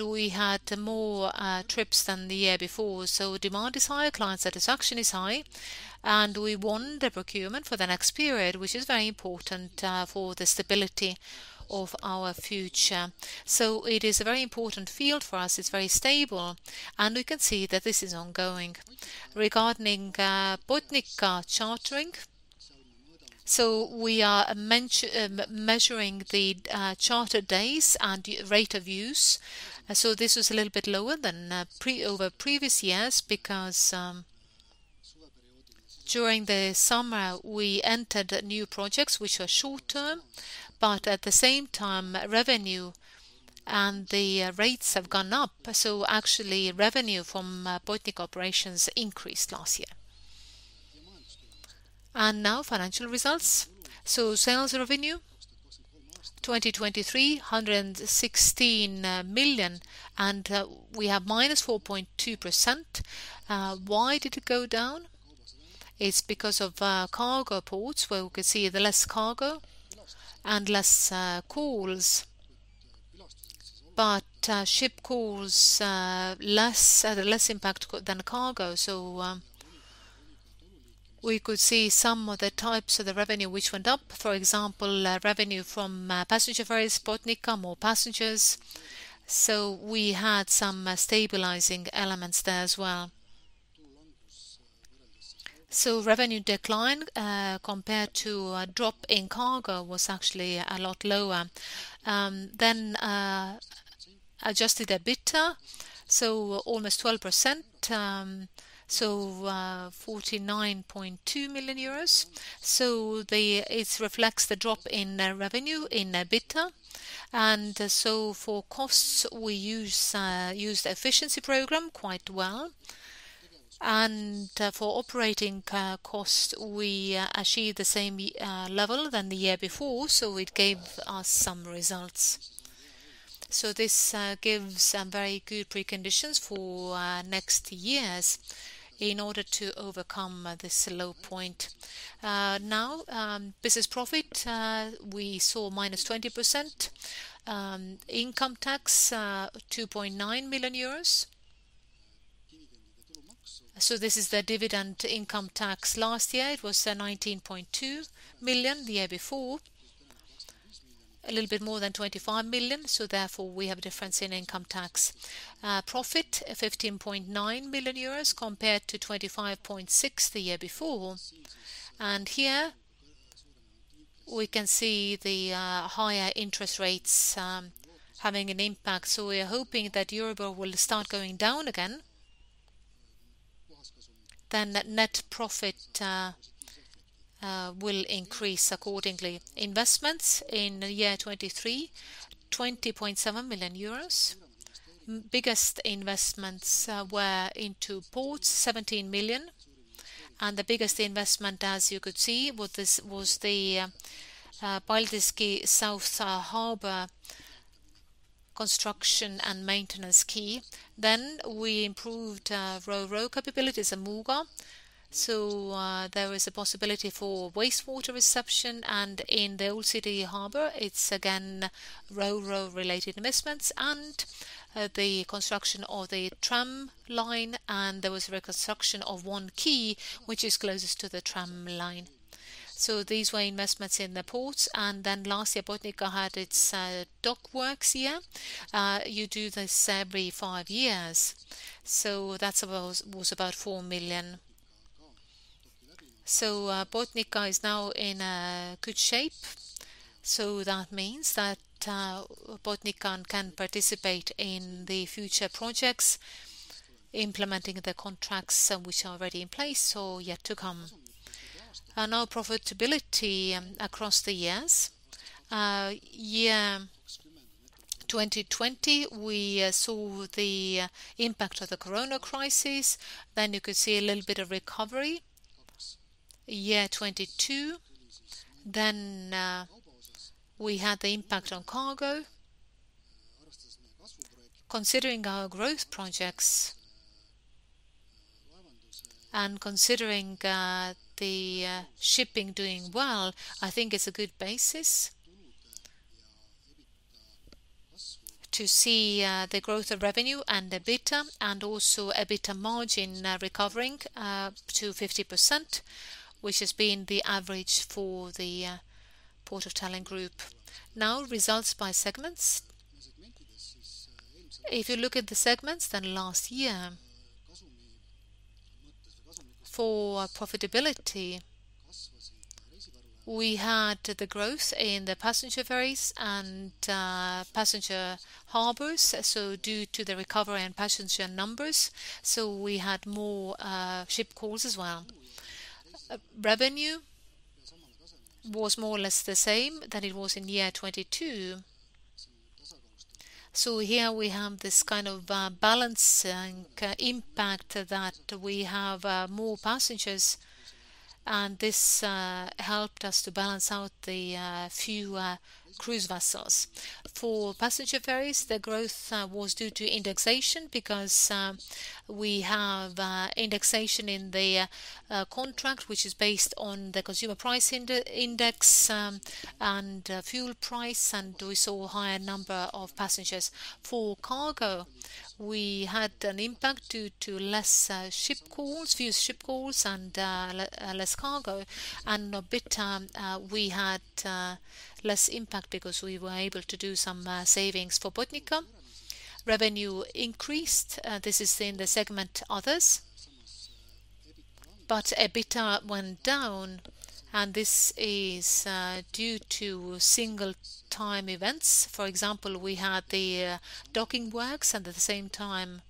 We had more trips than the year before. Demand is high, client satisfaction is high, and we won the procurement for the next period, which is very important for the stability of our future. It is a very important field for us. It's very stable, and we can see that this is ongoing. Regarding Botnica chartering, so we are measuring the charter days and rate of use. This was a little bit lower than previous years because during the summer we entered new projects which were short-term. At the same time, revenue and the rates have gone up. Actually revenue from Botnica operations increased last year. Now financial results. Sales revenue 2023, 116 million, and we have -4.2%. Why did it go down? It's because of cargo ports, where we could see less cargo and less calls. Ship calls, less impact than cargo. We could see some of the types of the revenue which went up. For example, revenue from passenger ferries, Botnica, more passengers. We had some stabilizing elements there as well. Revenue decline compared to a drop in cargo was actually a lot lower. Adjusted EBITDA, almost 12%, 49.2 million euros. It reflects the drop in revenue in EBITDA. For costs, we used efficiency program quite well. For operating costs, we achieved the same level than the year before, so it gave us some results. This gives very good preconditions for next years in order to overcome this low point. Now, business profit, we saw -20%. Income tax, 2.9 million euros. This is the dividend income tax last year. It was 19.2 million the year before. A little bit more than 25 million, so therefore we have a difference in income tax. Profit, 15.9 million euros compared to 25.6 million the year before. Here we can see the higher interest rates having an impact. We are hoping that Euro will start going down again. Net profit will increase accordingly. Investments in year 2023, 20.7 million euros. Biggest investments were into ports, 17 million. The biggest investment, as you could see, was the Paldiski South Harbour construction and maintenance quay. We improved Ro-Ro capabilities at Muuga. There is a possibility for wastewater reception. In the Old City Harbour, it's again Ro-Ro related investments and the construction of the tram line, and there was reconstruction of one quay, which is closest to the tram line. These were investments in the ports. Last year, Botnica had its dock works year. You do this every five years. That was about EUR 4 million. Botnica is now in good shape. That means that Botnica can participate in the future projects, implementing the contracts which are already in place or yet to come. Now profitability across the years. Year 2020, we saw the impact of the corona crisis. You could see a little bit of recovery year 2022. We had the impact on cargo. Considering our growth projects and considering the shipping doing well, I think it's a good basis to see the growth of revenue and the EBITDA and also EBITDA margin recovering to 50%, which has been the average for the Port of Tallinn group. Now results by segments. If you look at the segments, last year for profitability, we had the growth in the passenger ferries and passenger harbors, due to the recovery and passenger numbers, we had more ship calls as well. Revenue was more or less the same than it was in year 2022. Here we have this kind of balancing impact that we have more passengers, and this helped us to balance out the few cruise vessels. For passenger ferries, the growth was due to indexation because we have indexation in the contract, which is based on the consumer price index and fuel price, we saw a higher number of passengers. For cargo, we had an impact due to fewer ship calls and less cargo. On EBITDA, we had less impact because we were able to do some savings for Botnica. Revenue increased, this is in the segment others. But EBITDA went down and this is due to single-time events. For example, we had the docking works, and at the same time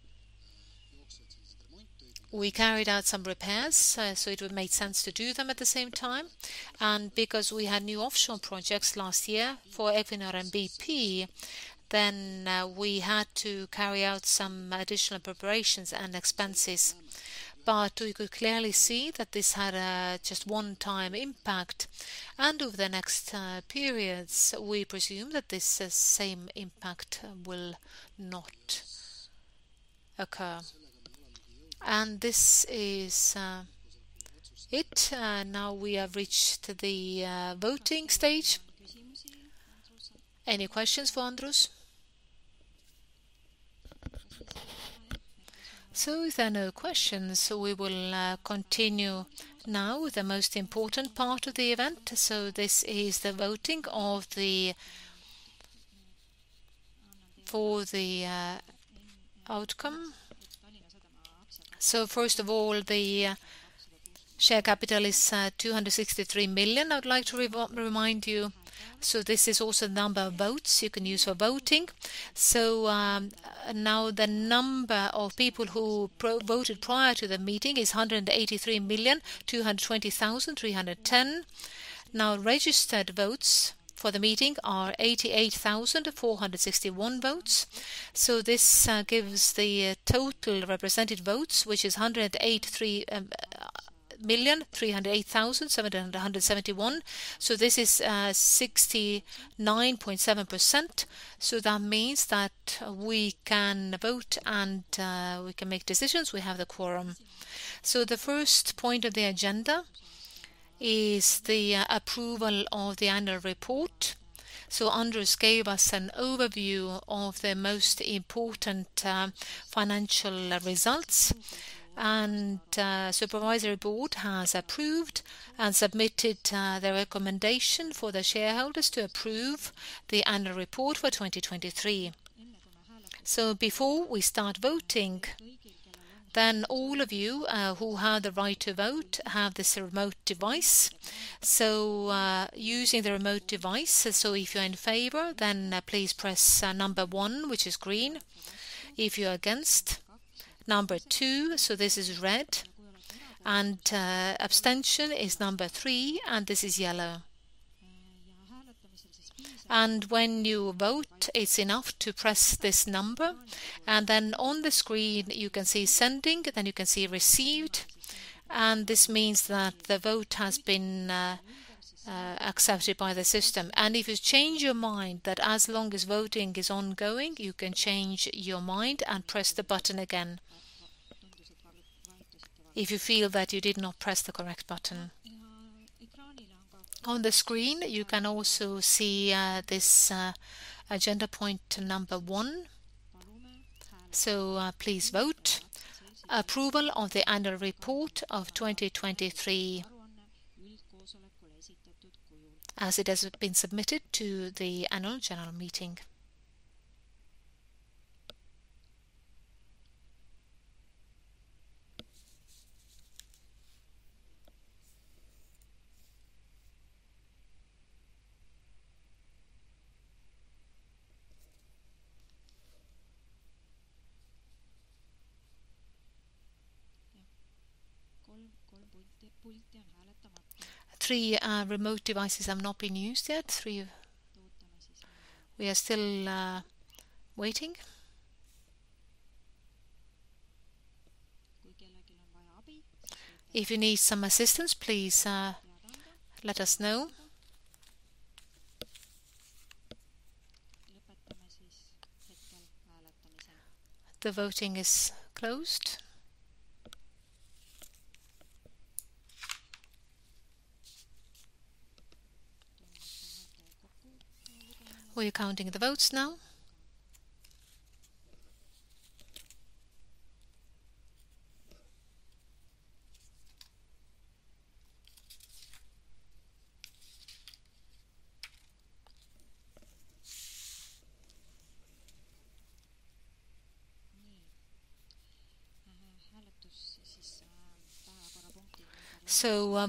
we carried out some repairs, so it would have made sense to do them at the same time. Because we had new offshore projects last year for Equinor and BP, then we had to carry out some additional preparations and expenses. We could clearly see that this had a just one-time impact, and over the next periods, we presume that this same impact will not occur. This is it. Now we have reached the voting stage. Any questions for Andrus? There are no questions, we will continue now with the most important part of the event. This is the voting for the outcome. First of all, the share capital is 263 million. I'd like to remind you. This is also the number of votes you can use for voting. Now the number of people who voted prior to the meeting is 183,220,310. Now, registered votes for the meeting are 88,461 votes. This gives the total represented votes, which is 183,308,771. This is 69.7%. That means that we can vote and we can make decisions. We have the quorum. The first point of the agenda is the approval of the annual report. Andrus gave us an overview of the most important financial results, and Supervisory Board has approved and submitted the recommendation for the shareholders to approve the annual report for 2023. Before we start voting, then all of you who have the right to vote have this remote device. Using the remote device, if you're in favor, then please press number 1, which is green. If you're against, number 2, this is red. Abstention is number 3, and this is yellow. When you vote, it's enough to press this number. Then on the screen you can see sending, then you can see received. This means that the vote has been accepted by the system. If you change your mind that as long as voting is ongoing, you can change your mind and press the button again if you feel that you did not press the correct button. On the screen, you can also see this agenda point number 1. Please vote. Approval of the annual report of 2023 as it has been submitted to the annual general meeting. Three remote devices have not been used yet. We are still waiting. If you need some assistance, please let us know. The voting is closed. We're counting the votes now.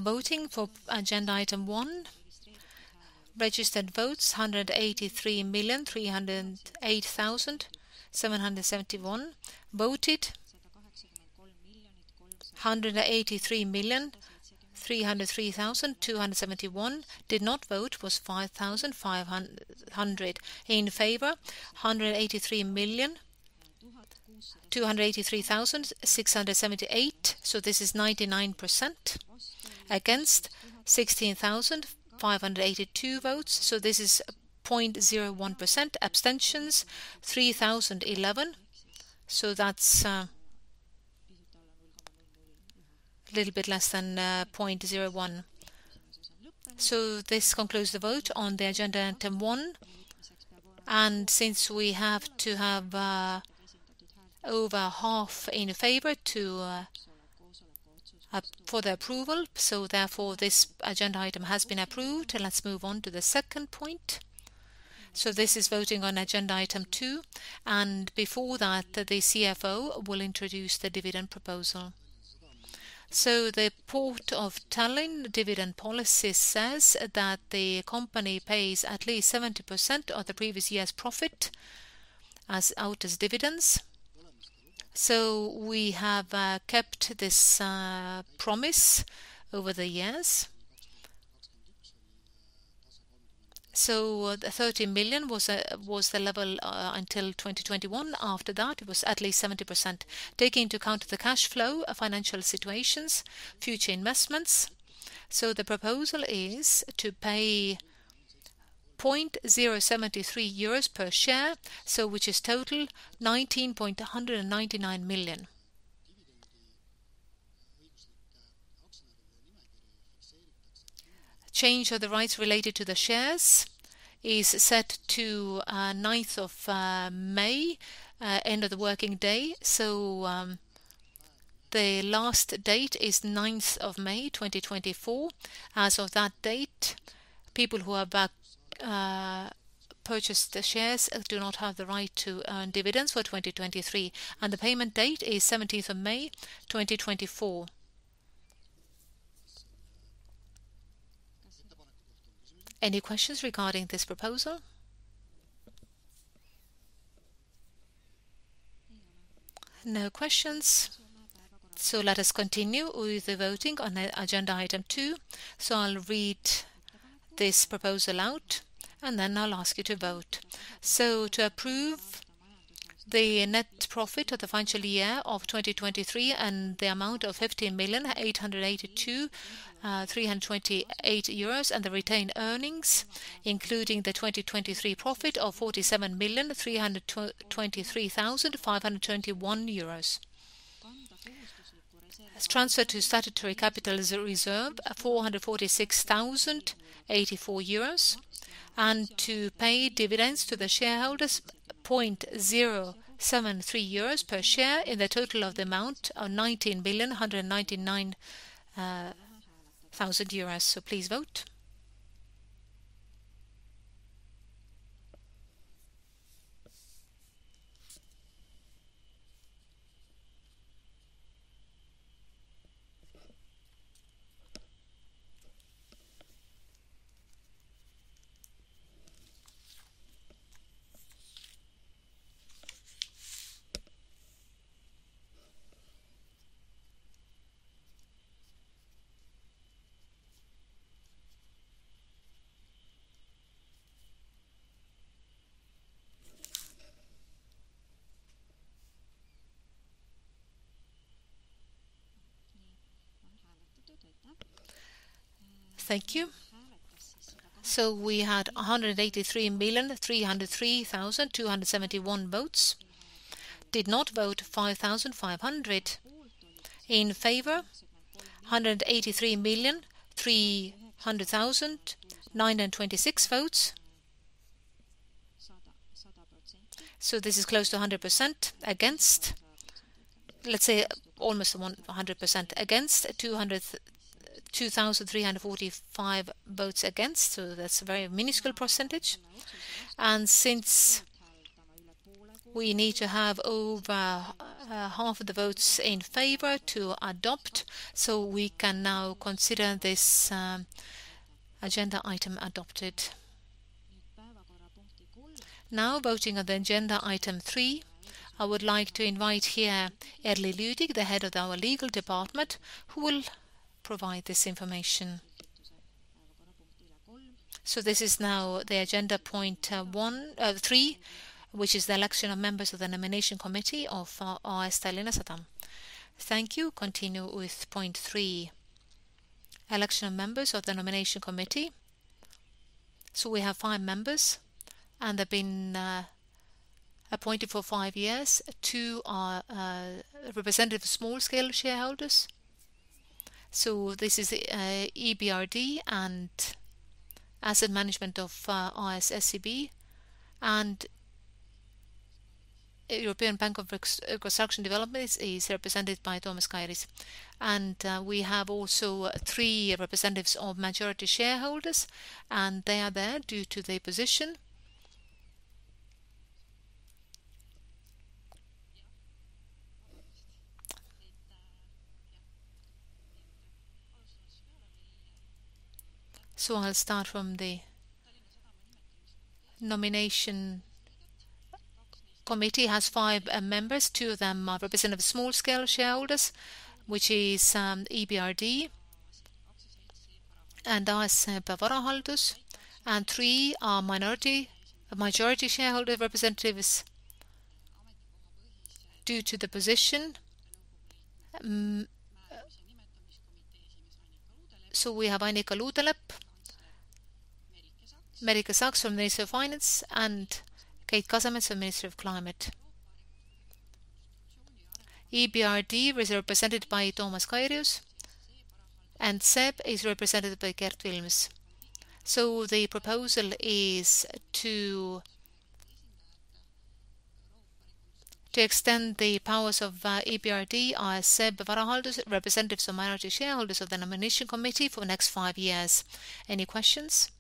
Voting for agenda item 1. Registered votes, 183,308,771. Voted, 183,303,271. Did not vote was 5,500. In favor, 183,283,678. This is 99%. Against, 16,582 votes, this is 0.01%. Abstentions, 3,011, that's a little bit less than 0.01. This concludes the vote on the agenda item 1. Since we have to have over half in favor for the approval, therefore this agenda item has been approved. Let's move on to the second point. This is voting on agenda item 2, and before that, the CFO will introduce the dividend proposal. The Port of Tallinn dividend policy says that the company pays at least 70% of the previous year's profit as out as dividends. We have kept this promise over the years. The 30 million was the level until 2021. After that it was at least 70%. Taking into account the cash flow, financial situations, future investments. The proposal is to pay 0.073 euros per share, which is total 19.199 million. Change of the rights related to the shares is set to 9th of May, end of the working day. The last date is 9th of May 2024. As of that date, people who have purchased the shares do not have the right to earn dividends for 2023, and the payment date is 17th of May 2024. Any questions regarding this proposal? No questions. Let us continue with the voting on agenda item 2. I'll read this proposal out, and then I'll ask you to vote. To approve the net profit of the financial year of 2023 in the amount of 15,882,328 euros and the retained earnings, including the 2023 profit of 47,323,521 euros. As transferred to statutory capital reserve, 446,084 euros. And to pay dividends to the shareholders 0.073 euros per share in the total of the amount of 19,199,000 euros. Please vote. Thank you. We had 183,303,271 votes. Did not vote, 5,500. In favor, 183,300,926 votes. This is close to 100%. Against, let's say almost 100% against, 202,345 votes against, so that's a very minuscule percentage. Since we need to have over half of the votes in favor to adopt, we can now consider this agenda item adopted. Voting on the agenda item 3. I would like to invite here Erly Lüdig, the head of our legal department, who will provide this information. This is now the agenda point 1, 3, which is the election of members of the nomination committee of AS Tallinna Sadam. Thank you. Continue with point 3, election of members of the nomination committee. We have five members, and they've been appointed for five years. Two are representative of small-scale shareholders. This is EBRD and asset management of AS SEB. European Bank for Reconstruction and Development is represented by Tomas Kairys. We have also three representatives of majority shareholders, and they are there due to their position. I'll start from the nomination committee has five members. Two of them are representative of small-scale shareholders, which is EBRD and AS SEB Varahaldus, and three are minority majority shareholder representatives due to the position. We have Annika Uudelepp, Merike Saks from the Ministry of Finance of the Republic of Estonia, and Keit Kasemets from Ministry of Climate. EBRD is represented by Tomas Kairys, and SEB is represented by Gert Vilms. The proposal is to extend the powers of EBRD, AS SEB Varahaldus, representatives of minority shareholders of the nomination committee for the next five years. Any questions?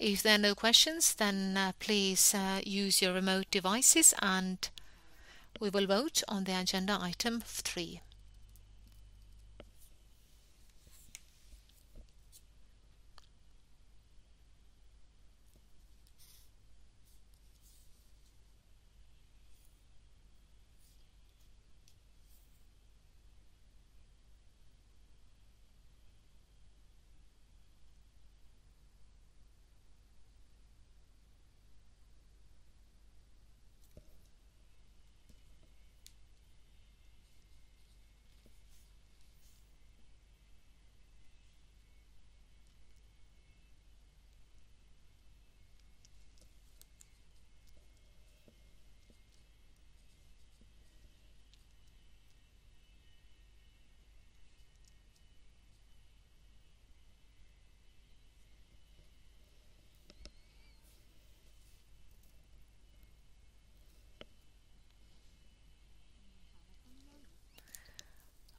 If there are no questions, please use your remote devices, and we will vote on the agenda item 3.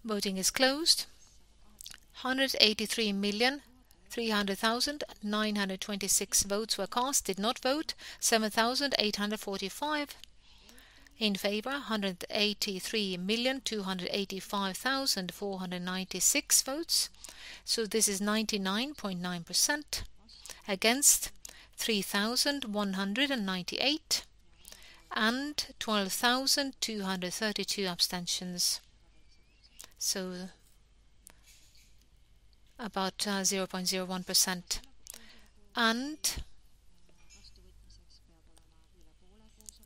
Voting is closed. 183,300,926 votes were cast. Did not vote, 7,845. In favor, 183,285,496 votes. This is 99.9%. Against, 3,198, and 12,232 abstentions, about 0.01%.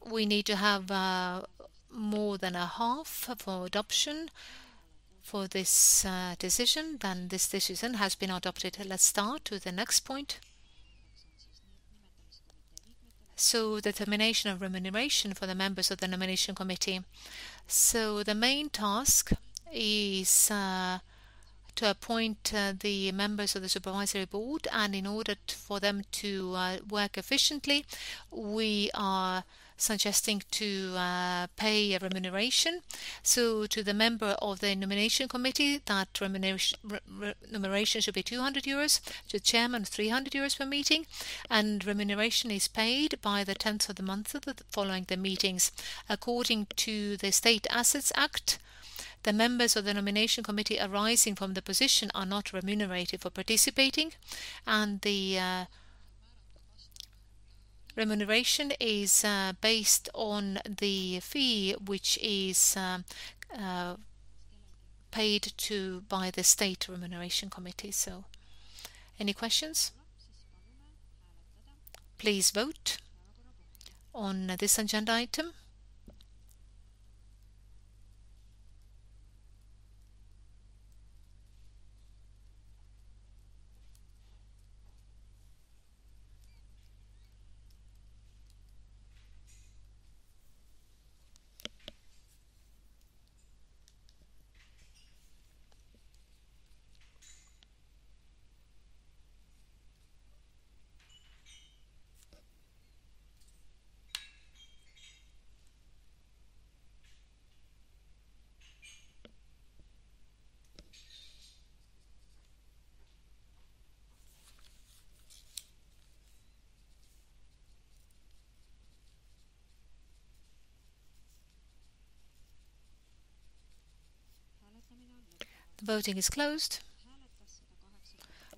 We need to have more than a half for adoption for this decision. This decision has been adopted. Let's start with the next point. Determination of remuneration for the members of the Nomination Committee. The main task is to appoint the members of the supervisory board, and in order for them to work efficiently, we are suggesting to pay a remuneration. To the member of the nomination committee, that remuneration should be 200 euros. To the chairman, 300 euros per meeting. Remuneration is paid by the 10th of the month following the meetings. According to the State Assets Act, the members of the nomination committee arising from the position are not remunerated for participating, and the remuneration is based on the fee which is paid to by the state remuneration committee. Any questions? Please vote on this agenda item. The voting is closed.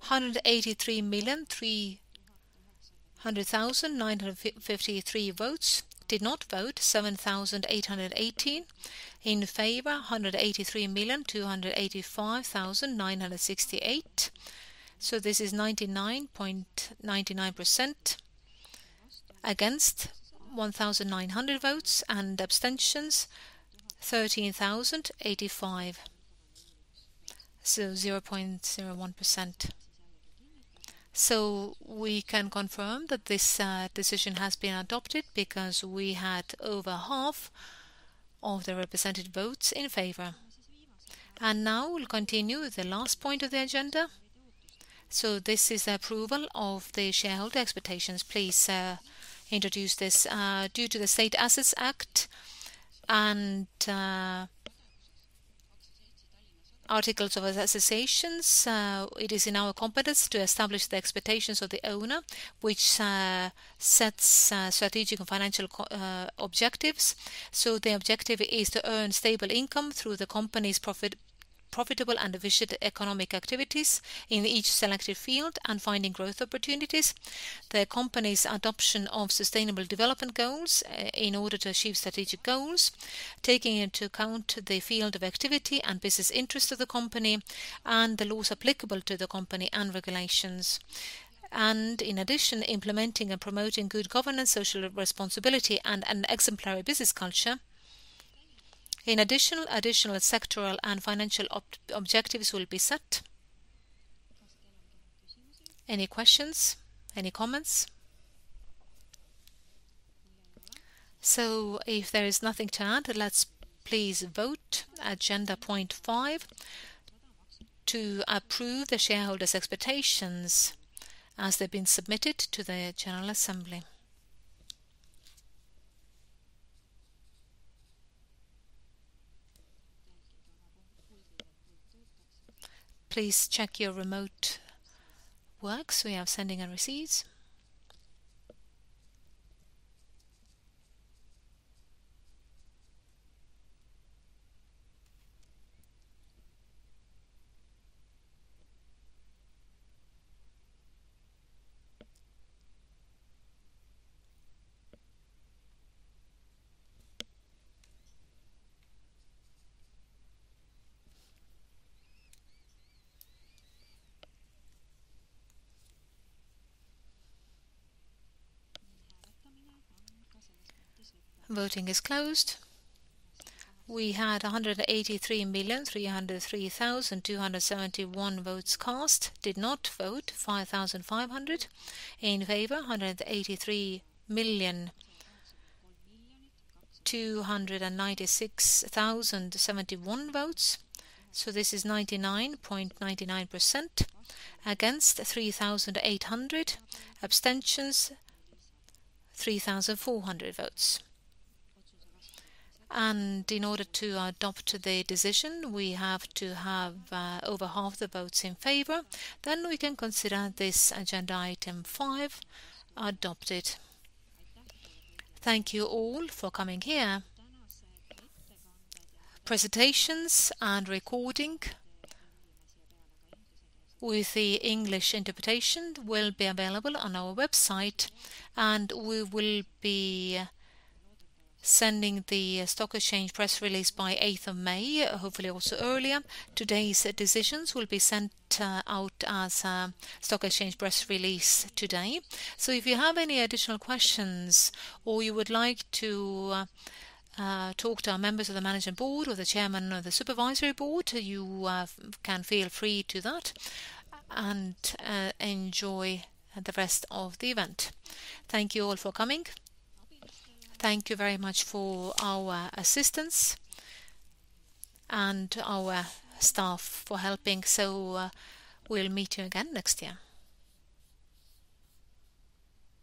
183,300,953 votes. Did not vote, 7,818. In favor, 183,285,968. This is 99.99%. Against, 1,900 votes. Abstentions, 13,085, so 0.01%. We can confirm that this decision has been adopted because we had over half of the represented votes in favor. Now we'll continue with the last point of the agenda. This is the approval of the shareholder expectations. Please introduce this. Due to the State Assets Act and articles of associations, it is in our competence to establish the expectations of the owner, which sets strategic and financial objectives. The objective is to earn stable income through the company's profitable and efficient economic activities in each selected field and finding growth opportunities. The company's adoption of sustainable development goals, in order to achieve strategic goals, taking into account the field of activity and business interest of the company and the laws applicable to the company and regulations. In addition, implementing and promoting good governance, social responsibility, and an exemplary business culture. In addition, additional sectoral and financial objectives will be set. Any questions? Any comments? If there is nothing to add, let's please vote agenda point 5 to approve the shareholders' expectations as they've been submitted to the general assembly. Please check your remote works. We have sending and receives. Voting is closed. We had 183,303,271 votes cast. Did not vote, 5,500. In favor, 183,296,071 votes, this is 99.99%. Against, 3,800. Abstentions, 3,400 votes. In order to adopt the decision, we have to have over half the votes in favor, then we can consider this agenda item 5 adopted. Thank you all for coming here. Presentations and recording with the English interpretation will be available on our website, and we will be sending the stock exchange press release by 8th of May, hopefully also earlier. Today's decisions will be sent out as stock exchange press release today. If you have any additional questions or you would like to talk to our members of the management board or the chairman of the supervisory board, you can feel free to that and enjoy the rest of the event. Thank you all for coming. Thank you very much for our assistants and our staff for helping. We'll meet you again next year.